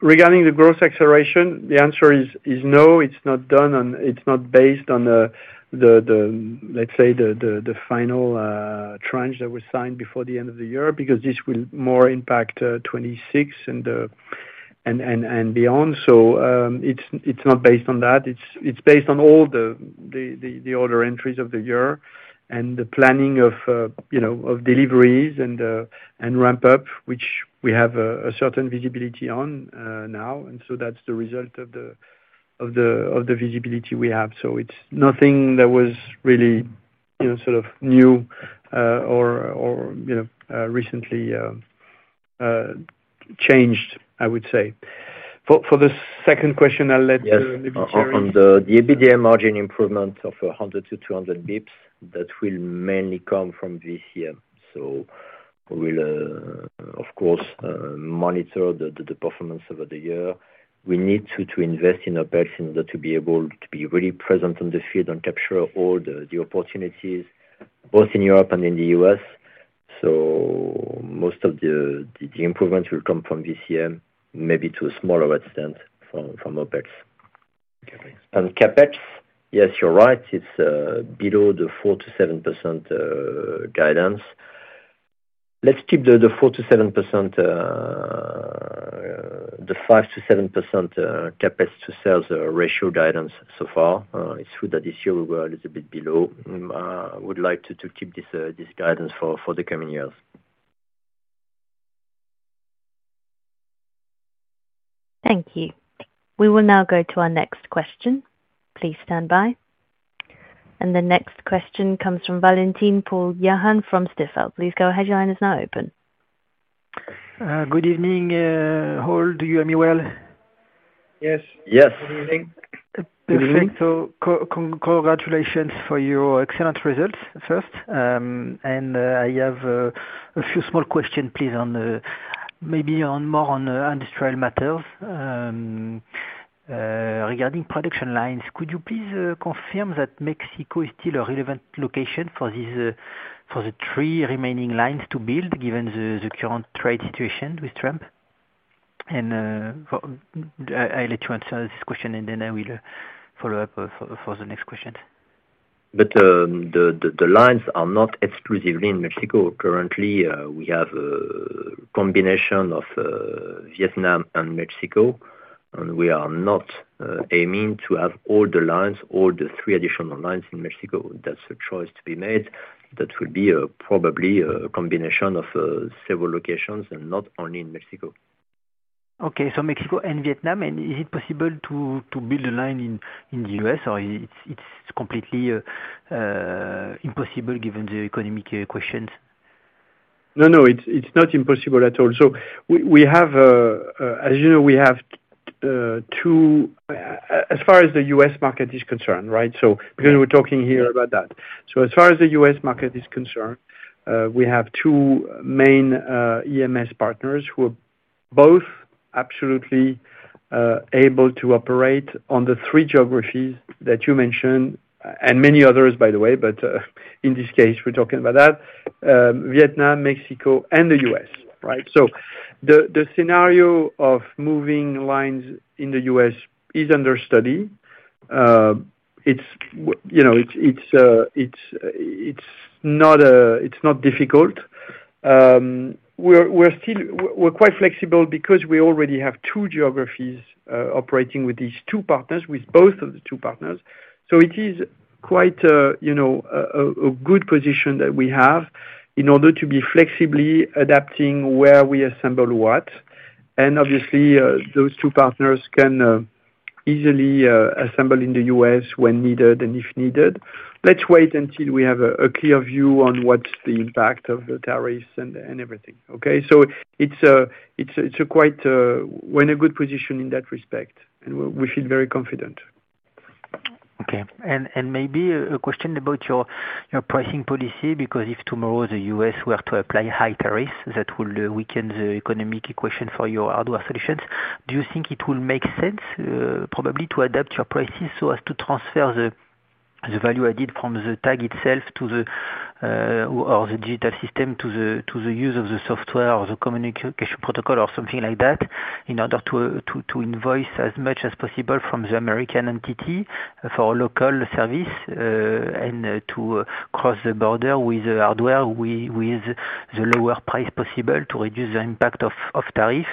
Regarding the growth acceleration, the answer is no. It's not done. It's not based on the, let's say, the final tranche that was signed before the end of the year because this will more impact 2026 and beyond, so it's not based on that. It's based on all the order entries of the year and the planning of deliveries and ramp-up, which we have a certain visibility on now, and so that's the result of the visibility we have, so it's nothing that was really sort of new or recently changed, I would say. For the second question, I'll let maybe Thierry. Yes. On the EBITDA margin improvement of 100-200 basis points, that will mainly come from this year, so we will, of course, monitor the performance over the year. We need to invest in OpEx in order to be able to be really present on the field and capture all the opportunities, both in Europe and in the U.S. So most of the improvements will come from VCM, maybe to a smaller extent from OpEx. And CapEx, yes, you're right. It's below the 4%-7% guidance. Let's keep the 5%-7% CapEx-to-sales ratio guidance so far. It's true that this year we were a little bit below. We'd like to keep this guidance for the coming years. Thank you. We will now go to our next question. Please stand by. And the next question comes from Valentin-Paul Jahan from Stifel. Please go ahead. Your line is now open. Good evening, all. Do you hear me well? Yes. Yes. Good evening. Good evening. So congratulations for your excellent results first. I have a few small questions, please, maybe more on industrial matters regarding production lines. Could you please confirm that Mexico is still a relevant location for the three remaining lines to build, given the current trade situation with Trump? I'll let you answer this question, and then I will follow up for the next questions. The lines are not exclusively in Mexico. Currently, we have a combination of Vietnam and Mexico. We are not aiming to have all the lines, all the three additional lines in Mexico. That's a choice to be made. That will be probably a combination of several locations and not only in Mexico. Okay. So Mexico and Vietnam. Is it possible to build a line in the U.S., or it's completely impossible given the economic questions? No, no. It's not impossible at all. So as you know, we have two as far as the U.S. market is concerned, right? So because we're talking here about that. So as far as the U.S. market is concerned, we have two main EMS partners who are both absolutely able to operate on the three geographies that you mentioned, and many others, by the way. But in this case, we're talking about that: Vietnam, Mexico, and the U.S., right? So the scenario of moving lines in the U.S. is under study. It's not difficult. We're quite flexible because we already have two geographies operating with these two partners, with both of the two partners. So it is quite a good position that we have in order to be flexibly adapting where we assemble what. And obviously, those two partners can easily assemble in the U.S. when needed and if needed. Let's wait until we have a clear view on what's the impact of the tariffs and everything. Okay? So it's quite we're in a good position in that respect, and we feel very confident. Okay, and maybe a question about your pricing policy because if tomorrow the U.S. were to apply high tariffs, that will weaken the economic equation for your hardware solutions. Do you think it will make sense probably to adapt your prices so as to transfer the value added from the tag itself or the digital system to the use of the software or the communication protocol or something like that in order to invoice as much as possible from the American entity for a local service and to cross the border with hardware with the lower price possible to reduce the impact of tariff?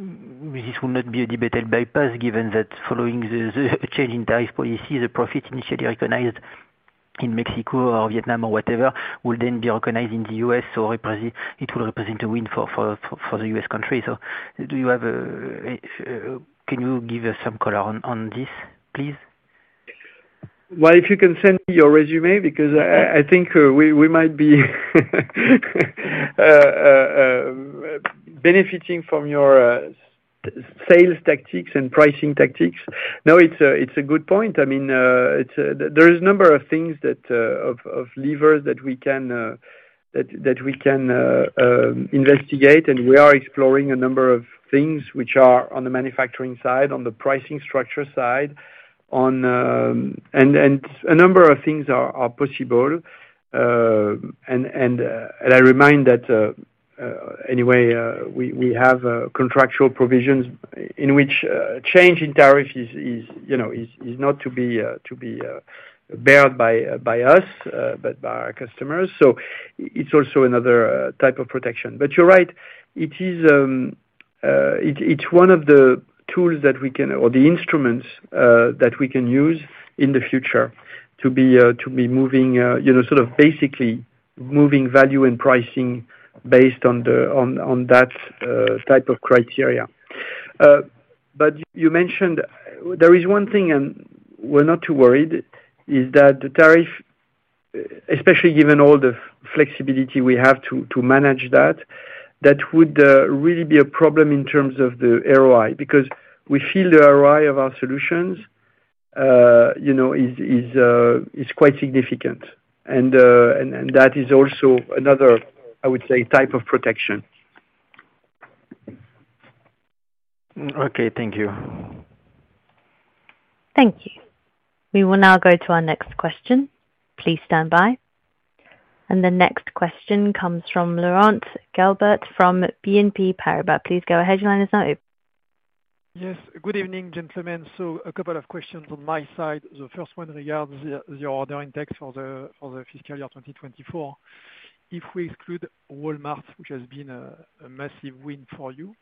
This will not be a debatable bypass given that following the change in tariff policy, the profit initially recognized in Mexico or Vietnam or whatever will then be recognized in the U.S., so it will represent a win for the U.S. country. So, can you give us some color on this, please? Well, if you can send me your resume because I think we might be benefiting from your sales tactics and pricing tactics. No, it's a good point. I mean, there is a number of things of levers that we can investigate, and we are exploring a number of things which are on the manufacturing side, on the pricing structure side. And a number of things are possible. And I remind that anyway, we have contractual provisions in which change in tariff is not to be borne by us but by our customers. So it's also another type of protection. But you're right. It's one of the tools that we can or the instruments that we can use in the future to be moving sort of basically moving value and pricing based on that type of criteria. But you mentioned there is one thing, and we're not too worried, is that the tariff, especially given all the flexibility we have to manage that, that would really be a problem in terms of the ROI because we feel the ROI of our solutions is quite significant. And that is also another, I would say, type of protection. Okay. Thank you. Thank you. We will now go to our next question. Please stand by. And the next question comes from Laurent Gélébart from BNP Paribas. Please go ahead. Your line is now open. Yes. Good evening, gentlemen. So a couple of questions on my side. The first one regards your order index for the fiscal year 2024. If we exclude Walmart, which has been a massive win for you,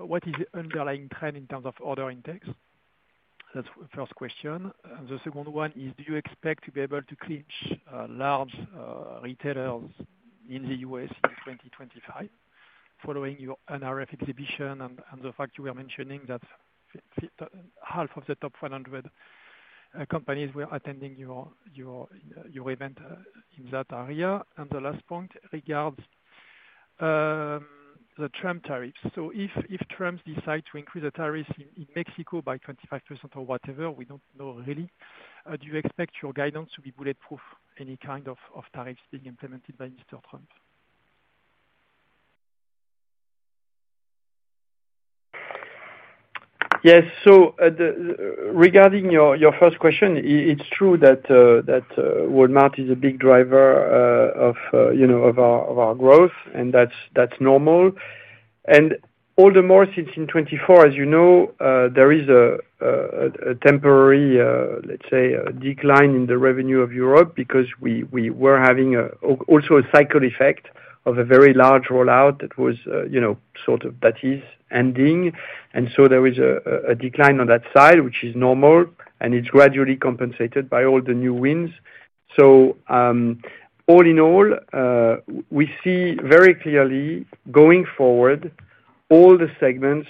what is the underlying trend in terms of order index? That's the first question. The second one is, do you expect to be able to clinch large retailers in the U.S. in 2025 following your NRF exhibition and the fact you were mentioning that half of the top 100 companies were attending your event in that area? And the last point regards the Trump tariffs. So if Trump decides to increase the tariffs in Mexico by 25% or whatever, we don't know really. Do you expect your guidance to be bulletproof, any kind of tariffs being implemented by Mr. Trump? Yes. So regarding your first question, it's true that Walmart is a big driver of our growth, and that's normal. And all the more since in 2024, as you know, there is a temporary, let's say, decline in the revenue of Europe because we were having also a cycle effect of a very large rollout that was sort of that is ending. And so there is a decline on that side, which is normal, and it's gradually compensated by all the new wins. So all in all, we see very clearly going forward all the segments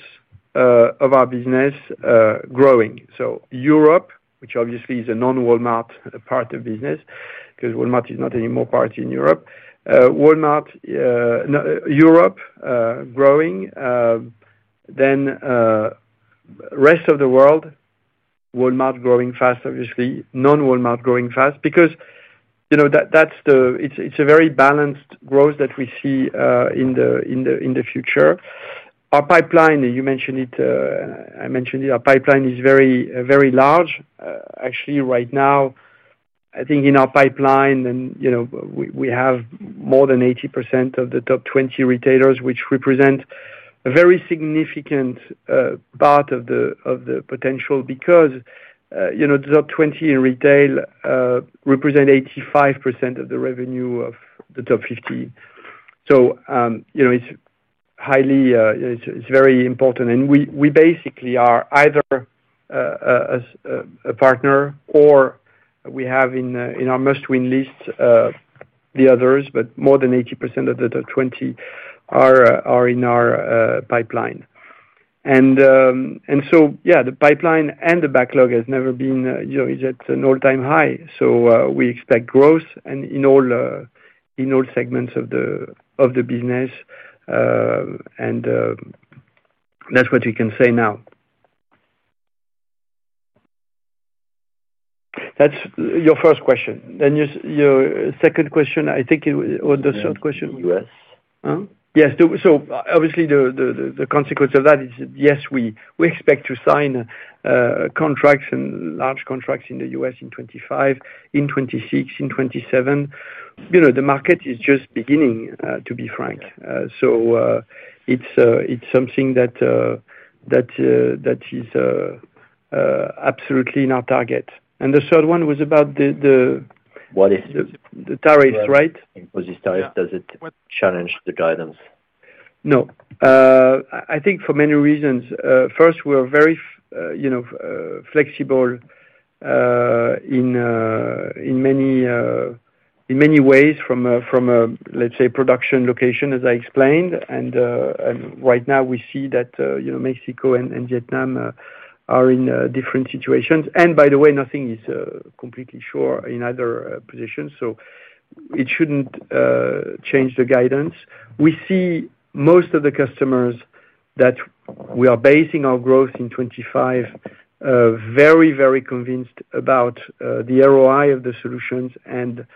of our business growing. So Europe, which obviously is a non-Walmart part of business because Walmart is not anymore part in Europe. Walmart, Europe growing. Then rest of the world, Walmart growing fast, obviously. Non-Walmart growing fast because that's, it's a very balanced growth that we see in the future. Our pipeline, you mentioned it. I mentioned it. Our pipeline is very large. Actually, right now, I think in our pipeline, we have more than 80% of the top 20 retailers, which represent a very significant part of the potential because the top 20 in retail represent 85% of the revenue of the top 50, so it's very important, and we basically are either a partner or we have in our must-win list the others, but more than 80% of the top 20 are in our pipeline, and so, yeah, the pipeline and the backlog is at an all-time high, so we expect growth in all segments of the business, and that's what we can say now. That's your first question, then your second question, I think, or the third question. In the U.S.? Huh? Yes. Obviously, the consequence of that is, yes, we expect to sign contracts and large contracts in the U.S. in 2025, in 2026, in 2027. The market is just beginning, to be frank. It's something that is absolutely in our target. The third one was about the. What is the? The tariffs, right? Imposes tariffs, does it challenge the guidance? No. I think for many reasons. First, we're very flexible in many ways from a, let's say, production location, as I explained. Right now, we see that Mexico and Vietnam are in different situations. By the way, nothing is completely sure in either position. It shouldn't change the guidance. We see most of the customers that we are basing our growth in 2025 very, very convinced about the ROI of the solutions and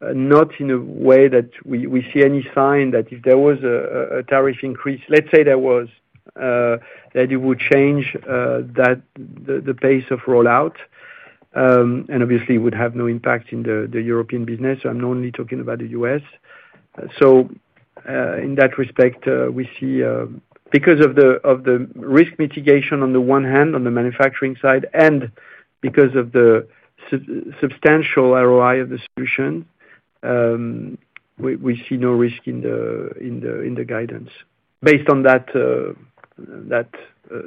not in a way that we see any sign that if there was a tariff increase, let's say there was, that it would change the pace of rollout, and obviously it would have no impact in the European business, so I'm only talking about the U.S., so in that respect we see because of the risk mitigation on the one hand, on the manufacturing side, and because of the substantial ROI of the solutions, we see no risk in the guidance based on that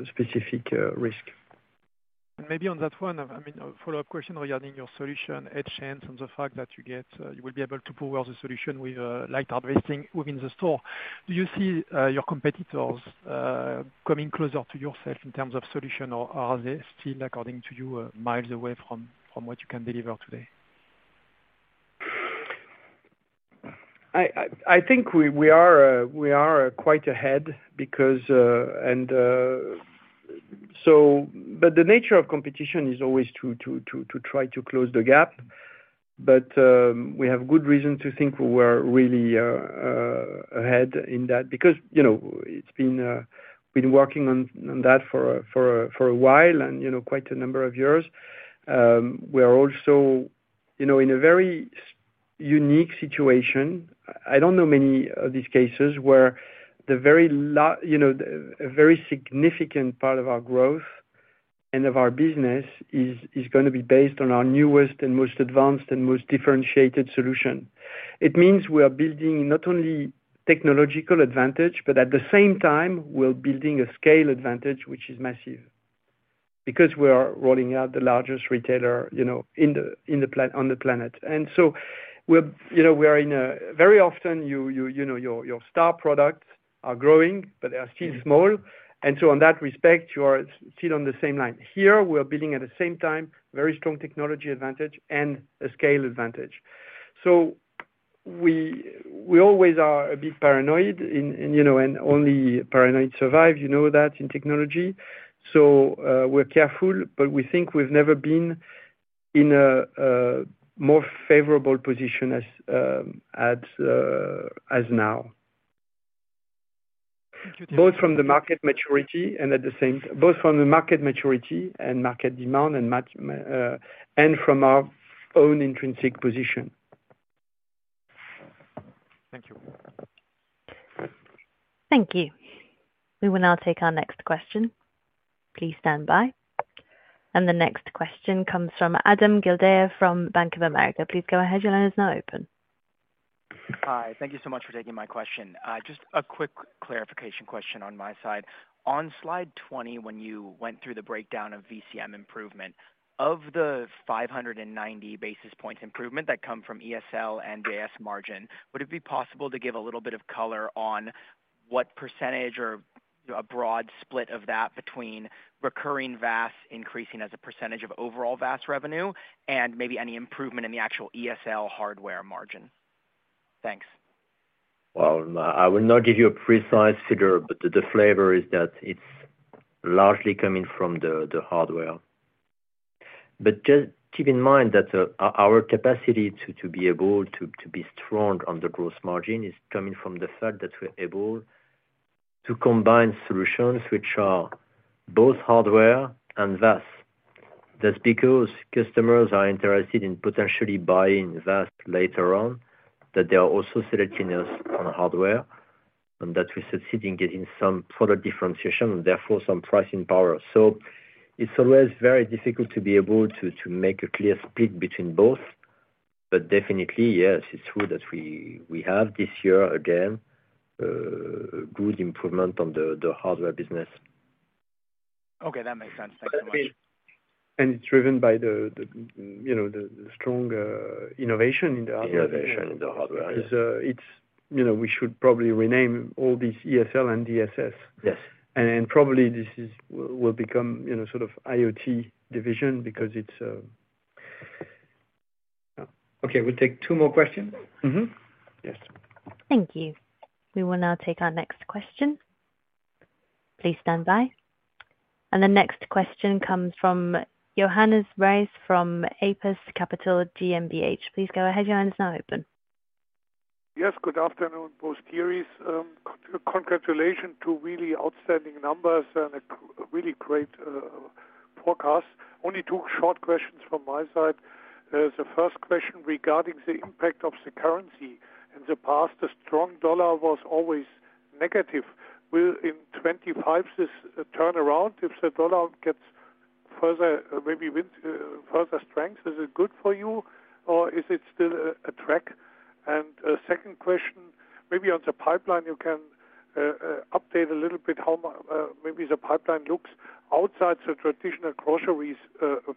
specific risk. Maybe on that one, I mean, a follow-up question regarding your soluti, EdgeSense, and the fact that you will be able to power the solution with light harvesting within the store. Do you see your competitors coming closer to yourself in terms of solution, or are they still, according to you, miles away from what you can deliver today? I think we are quite ahead because and so but the nature of competition is always to try to close the gap. But we have good reason to think we were really ahead in that because it's been working on that for a while and quite a number of years. We are also in a very unique situation. I don't know many of these cases where the very significant part of our growth and of our business is going to be based on our newest and most advanced and most differentiated solution. It means we are building not only technological advantage, but at the same time, we're building a scale advantage, which is massive because we are rolling out the largest retailer on the planet, and so very often your star products are growing, but they are still small, and so in that respect you are still on the same line. Here, we are building at the same time very strong technology advantage and a scale advantage, so we always are a bit paranoid, and only paranoid survive. You know that in technology, so we're careful, but we think we've never been in a more favorable position as now, both from the market maturity and market demand and from our own intrinsic position. Thank you. Thank you. We will now take our next question. Please stand by. And the next question comes from Adam Gildea from Bank of America. Please go ahead. Your line is now open. Hi. Thank you so much for taking my question. Just a quick clarification question on my side. On slide 20, when you went through the breakdown of VCM improvement of the 590 basis points improvement that come from ESL and VAS margin, would it be possible to give a little bit of color on what percentage or a broad split of that between recurring VAS increasing as a percentage of overall VAS revenue and maybe any improvement in the actual ESL hardware margin? Thanks. Well, I will not give you a precise figure, but the flavor is that it's largely coming from the hardware. But just keep in mind that our capacity to be able to be strong on the gross margin is coming from the fact that we're able to combine solutions which are both hardware and VAS. That's because customers are interested in potentially buying VAS later on, that they are also selecting us on hardware and that we're succeeding getting some product differentiation and therefore some pricing power. So it's always very difficult to be able to make a clear split between both. But definitely, yes, it's true that we have this year again good improvement on the hardware business. Okay. That makes sense. Thanks so much. And it's driven by the strong innovation in the hardware. Innovation in the hardware. Yes. We should probably rename all these ESL and DSS. And probably this will become sort of IoT division because it's. Okay. We'll take two more questions? Yes. Thank you. We will now take our next question. Please stand by, and the next question comes from Johannes Ries from APUS Capital GmbH. Please go ahead. Your line is now open. Yes. Good afternoon, both of you. Congratulations to really outstanding numbers and a really great forecast. Only two short questions from my side. The first question regarding the impact of the currency. In the past, the strong dollar was always negative. Will in 2025 this turn around if the dollar gets further maybe strength? Is it good for you, or is it still a drag? And second question, maybe on the pipeline, you can update a little bit how maybe the pipeline looks outside the traditional groceries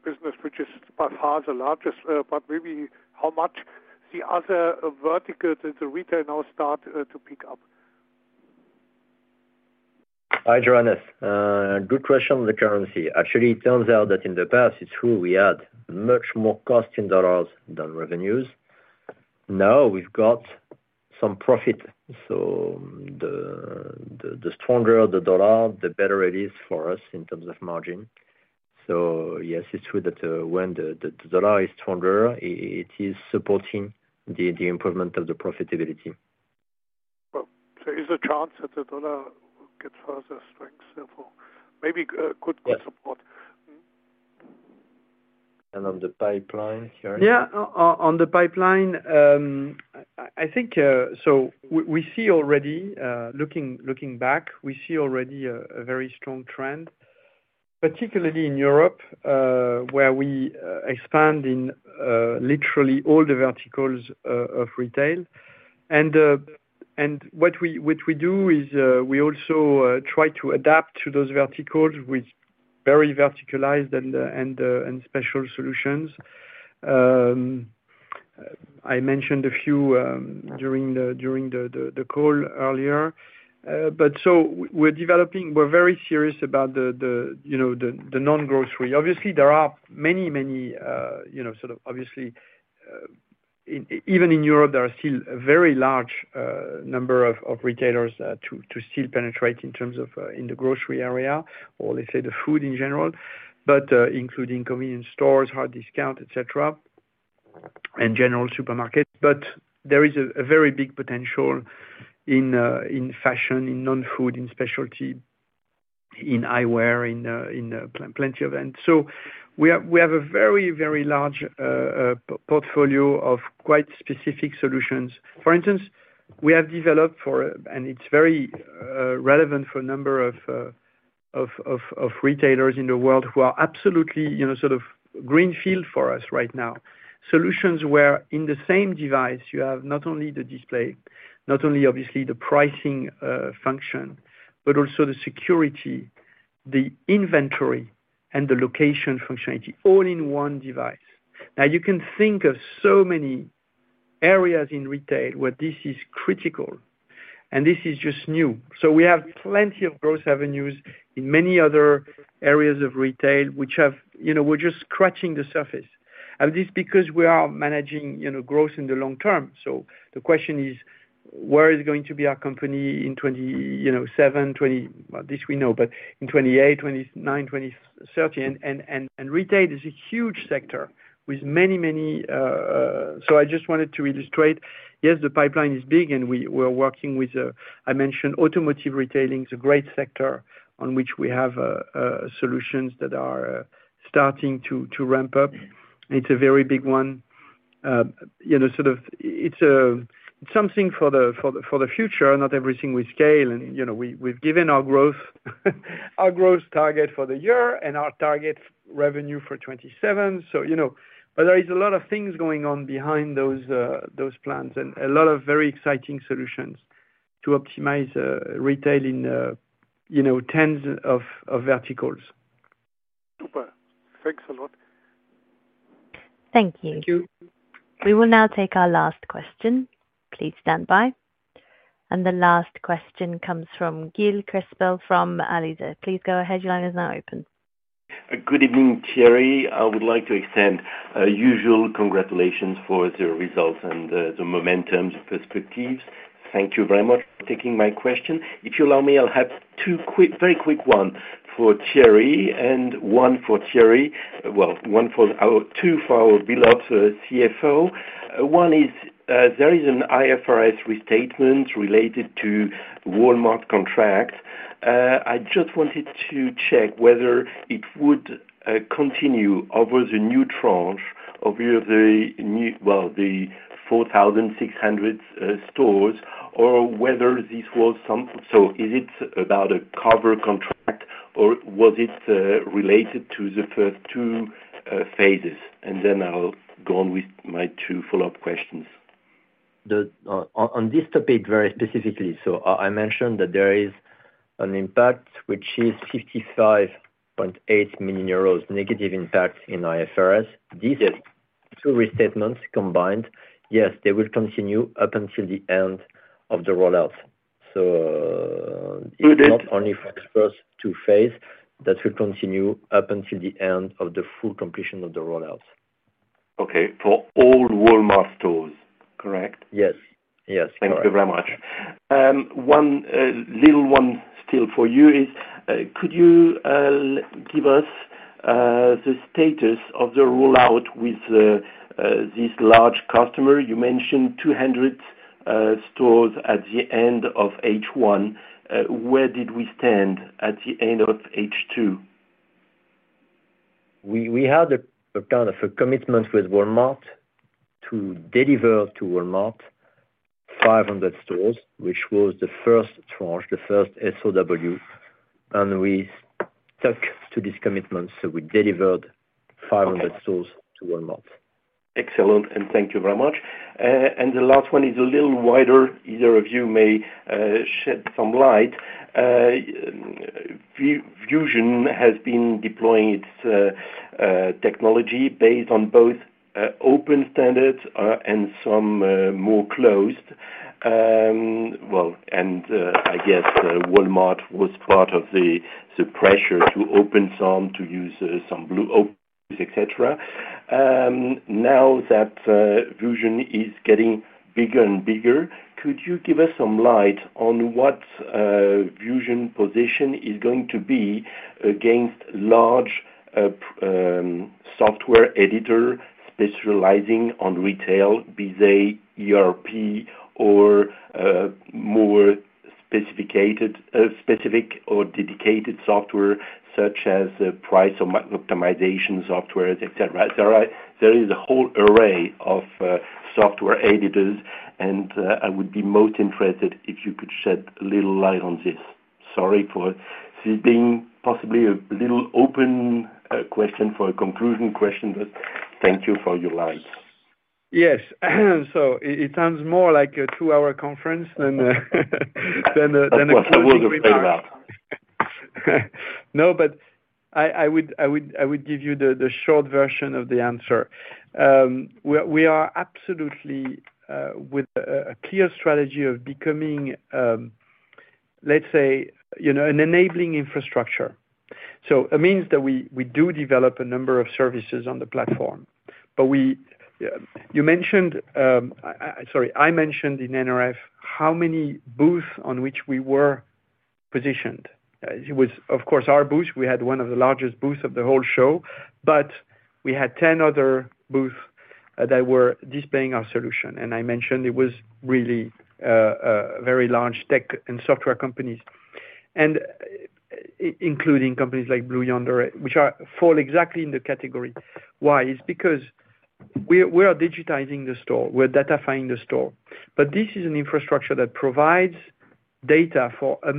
business, which is by far the largest, but maybe how much the other vertical that the retail now start to pick up? Hi, Johannes. Good question on the currency. Actually, it turns out that in the past, it's true we had much more cost in dollars than revenues. Now we've got some profit. So the stronger the dollar, the better it is for us in terms of margin. So yes, it's true that when the dollar is stronger, it is supporting the improvement of the profitability. Well, there is a chance that the dollar gets further strength. So maybe good support. And on the pipeline, Thierry? Yeah. On the pipeline, I think so we see already looking back a very strong trend, particularly in Europe where we expand in literally all the verticals of retail. And what we do is we also try to adapt to those verticals with very verticalized and special solutions. I mentioned a few during the call earlier. But so we're developing. We're very serious about the non-grocery. Obviously, there are many, many, even in Europe, there are still a very large number of retailers to still penetrate in terms of the grocery area or, let's say, the food in general, but including convenience stores, hard discount, etc., and general supermarkets, but there is a very big potential in fashion, in non-food, in specialty, in eyewear, in plenty of ends, so we have a very, very large portfolio of quite specific solutions. For instance, we have developed for and it's very relevant for a number of retailers in the world who are absolutely sort of greenfield for us right now. Solutions where in the same device, you have not only the display, not only obviously the pricing function, but also the security, the inventory, and the location functionality all in one device. Now, you can think of so many areas in retail where this is critical, and this is just new. So we have plenty of growth avenues in many other areas of retail which we have. We're just scratching the surface. And this is because we are managing growth in the long term. So the question is, where is going to be our company in 2027, 2030? Well, this we know, but in 2028, 2029, 2030. And retail is a huge sector with many, many, so I just wanted to illustrate. Yes, the pipeline is big, and we are working with. I mentioned automotive retailing, a great sector on which we have solutions that are starting to ramp up. It's a very big one. Sort of it's something for the future. Not everything we scale. And we've given our growth target for the year and our target revenue for 2027. But there is a lot of things going on behind those plans and a lot of very exciting solutions to optimize retail in tens of verticals. Super. Thanks a lot. Thank you. Thank you. We will now take our last question. Please stand by. And the last question comes from Gilles Crespel from Alizé. Please go ahead. Your line is now open. Good evening, Thierry. I would like to extend usual congratulations for the results and the momentum perspectives. Thank you very much for taking my question. If you allow me, I'll have two very quick ones for Thierry and one for Thierry well, two for our beloved CFO. One is there is an IFRS restatement related to Walmart contract. I just wanted to check whether it would continue over the new tranche of the, well, the 4,600 stores or whether this was some, so is it about a cover contract or was it related to the first two phases? And then I'll go on with my two follow-up questions. On this topic very specifically, so I mentioned that there is an impact which is 55.8 million euros negative impact in IFRS. These two restatements combined, yes, they will continue up until the end of the rollout. So it's not only for the first two phases. That will continue up until the end of the full completion of the rollout. Okay. For all Walmart stores. Correct? Yes. Yes. Thank you very much. One little one still for you is could you give us the status of the rollout with this large customer? You mentioned 200 stores at the end of H1. Where did we stand at the end of H2? We had a kind of a commitment with Walmart to deliver to Walmart 500 stores, which was the first tranche, the first SOW. And we stuck to this commitment. So we delivered 500 stores to Walmart. Excellent. And thank you very much. And the last one is a little wider. Either of you may shed some light. Vusion has been deploying its technology based on both open standards and some more closed. Well, and I guess Walmart was part of the pressure to open some to use some Bluetooth open, etc. Now that Vusion is getting bigger and bigger, could you give us some light on what Vusion's position is going to be against large software editors specializing on retail, be they ERP or more specific or dedicated software such as price or market optimization software, etc.? There is a whole array of software editors, and I would be most interested if you could shed a little light on this. Sorry for this being possibly a little open question for a conclusion question, but thank you for your light. Yes. So it sounds more like a two-hour conference than a question we've had about. No, but I would give you the short version of the answer. We are absolutely with a clear strategy of becoming, let's say, an enabling infrastructure. So it means that we do develop a number of services on the platform. But you mentioned, sorry, I mentioned in NRF how many booths on which we were positioned. It was, of course, our booth. We had one of the largest booths of the whole show, but we had 10 other booths that were displaying our solution. And I mentioned it was really very large tech and software companies, including companies like Blue Yonder, which fall exactly in the category. Why? It's because we are digitizing the store. We're datafying the store. But this is an infrastructure that provides data for a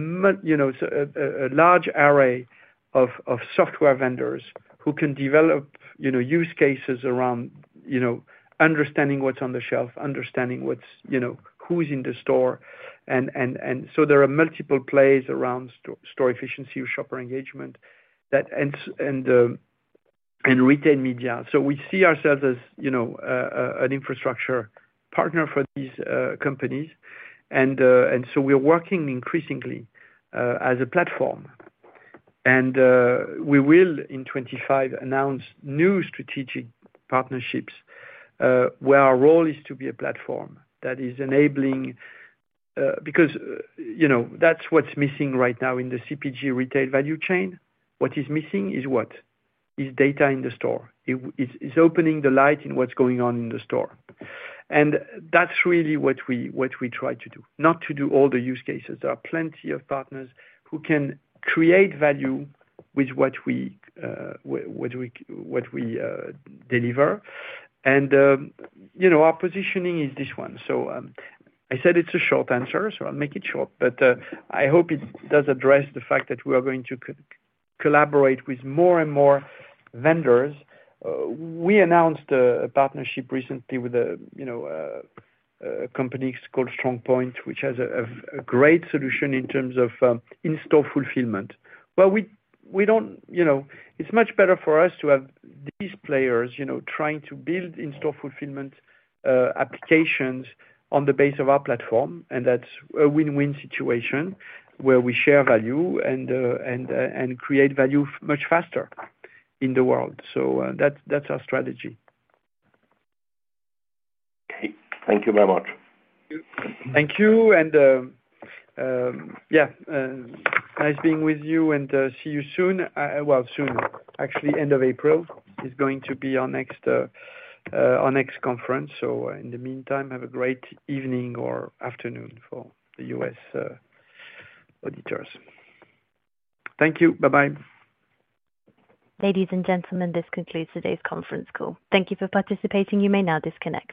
large array of software vendors who can develop use cases around understanding what's on the shelf, understanding who's in the store. And so there are multiple plays around store efficiency or shopper engagement and retail media. So we see ourselves as an infrastructure partner for these companies. And so we're working increasingly as a platform. And we will, in 2025, announce new strategic partnerships where our role is to be a platform that is enabling because that's what's missing right now in the CPG retail value chain. What is missing is what? Is data in the store. It's opening the light in what's going on in the store. And that's really what we try to do, not to do all the use cases. There are plenty of partners who can create value with what we deliver. And our positioning is this one. So I said it's a short answer, so I'll make it short. But I hope it does address the fact that we are going to collaborate with more and more vendors. We announced a partnership recently with a company called StrongPoint, which has a great solution in terms of in-store fulfillment. Well, we don't. It's much better for us to have these players trying to build in-store fulfillment applications on the base of our platform. And that's a win-win situation where we share value and create value much faster in the world. So that's our strategy. Okay. Thank you very much. Thank you. And yeah, nice being with you and see you soon. Well, soon, actually, end of April is going to be our next conference. So in the meantime, have a great evening or afternoon for the U.S. audience. Thank you. Bye-bye. Ladies and gentlemen, this concludes today's conference call. Thank you for participating. You may now disconnect.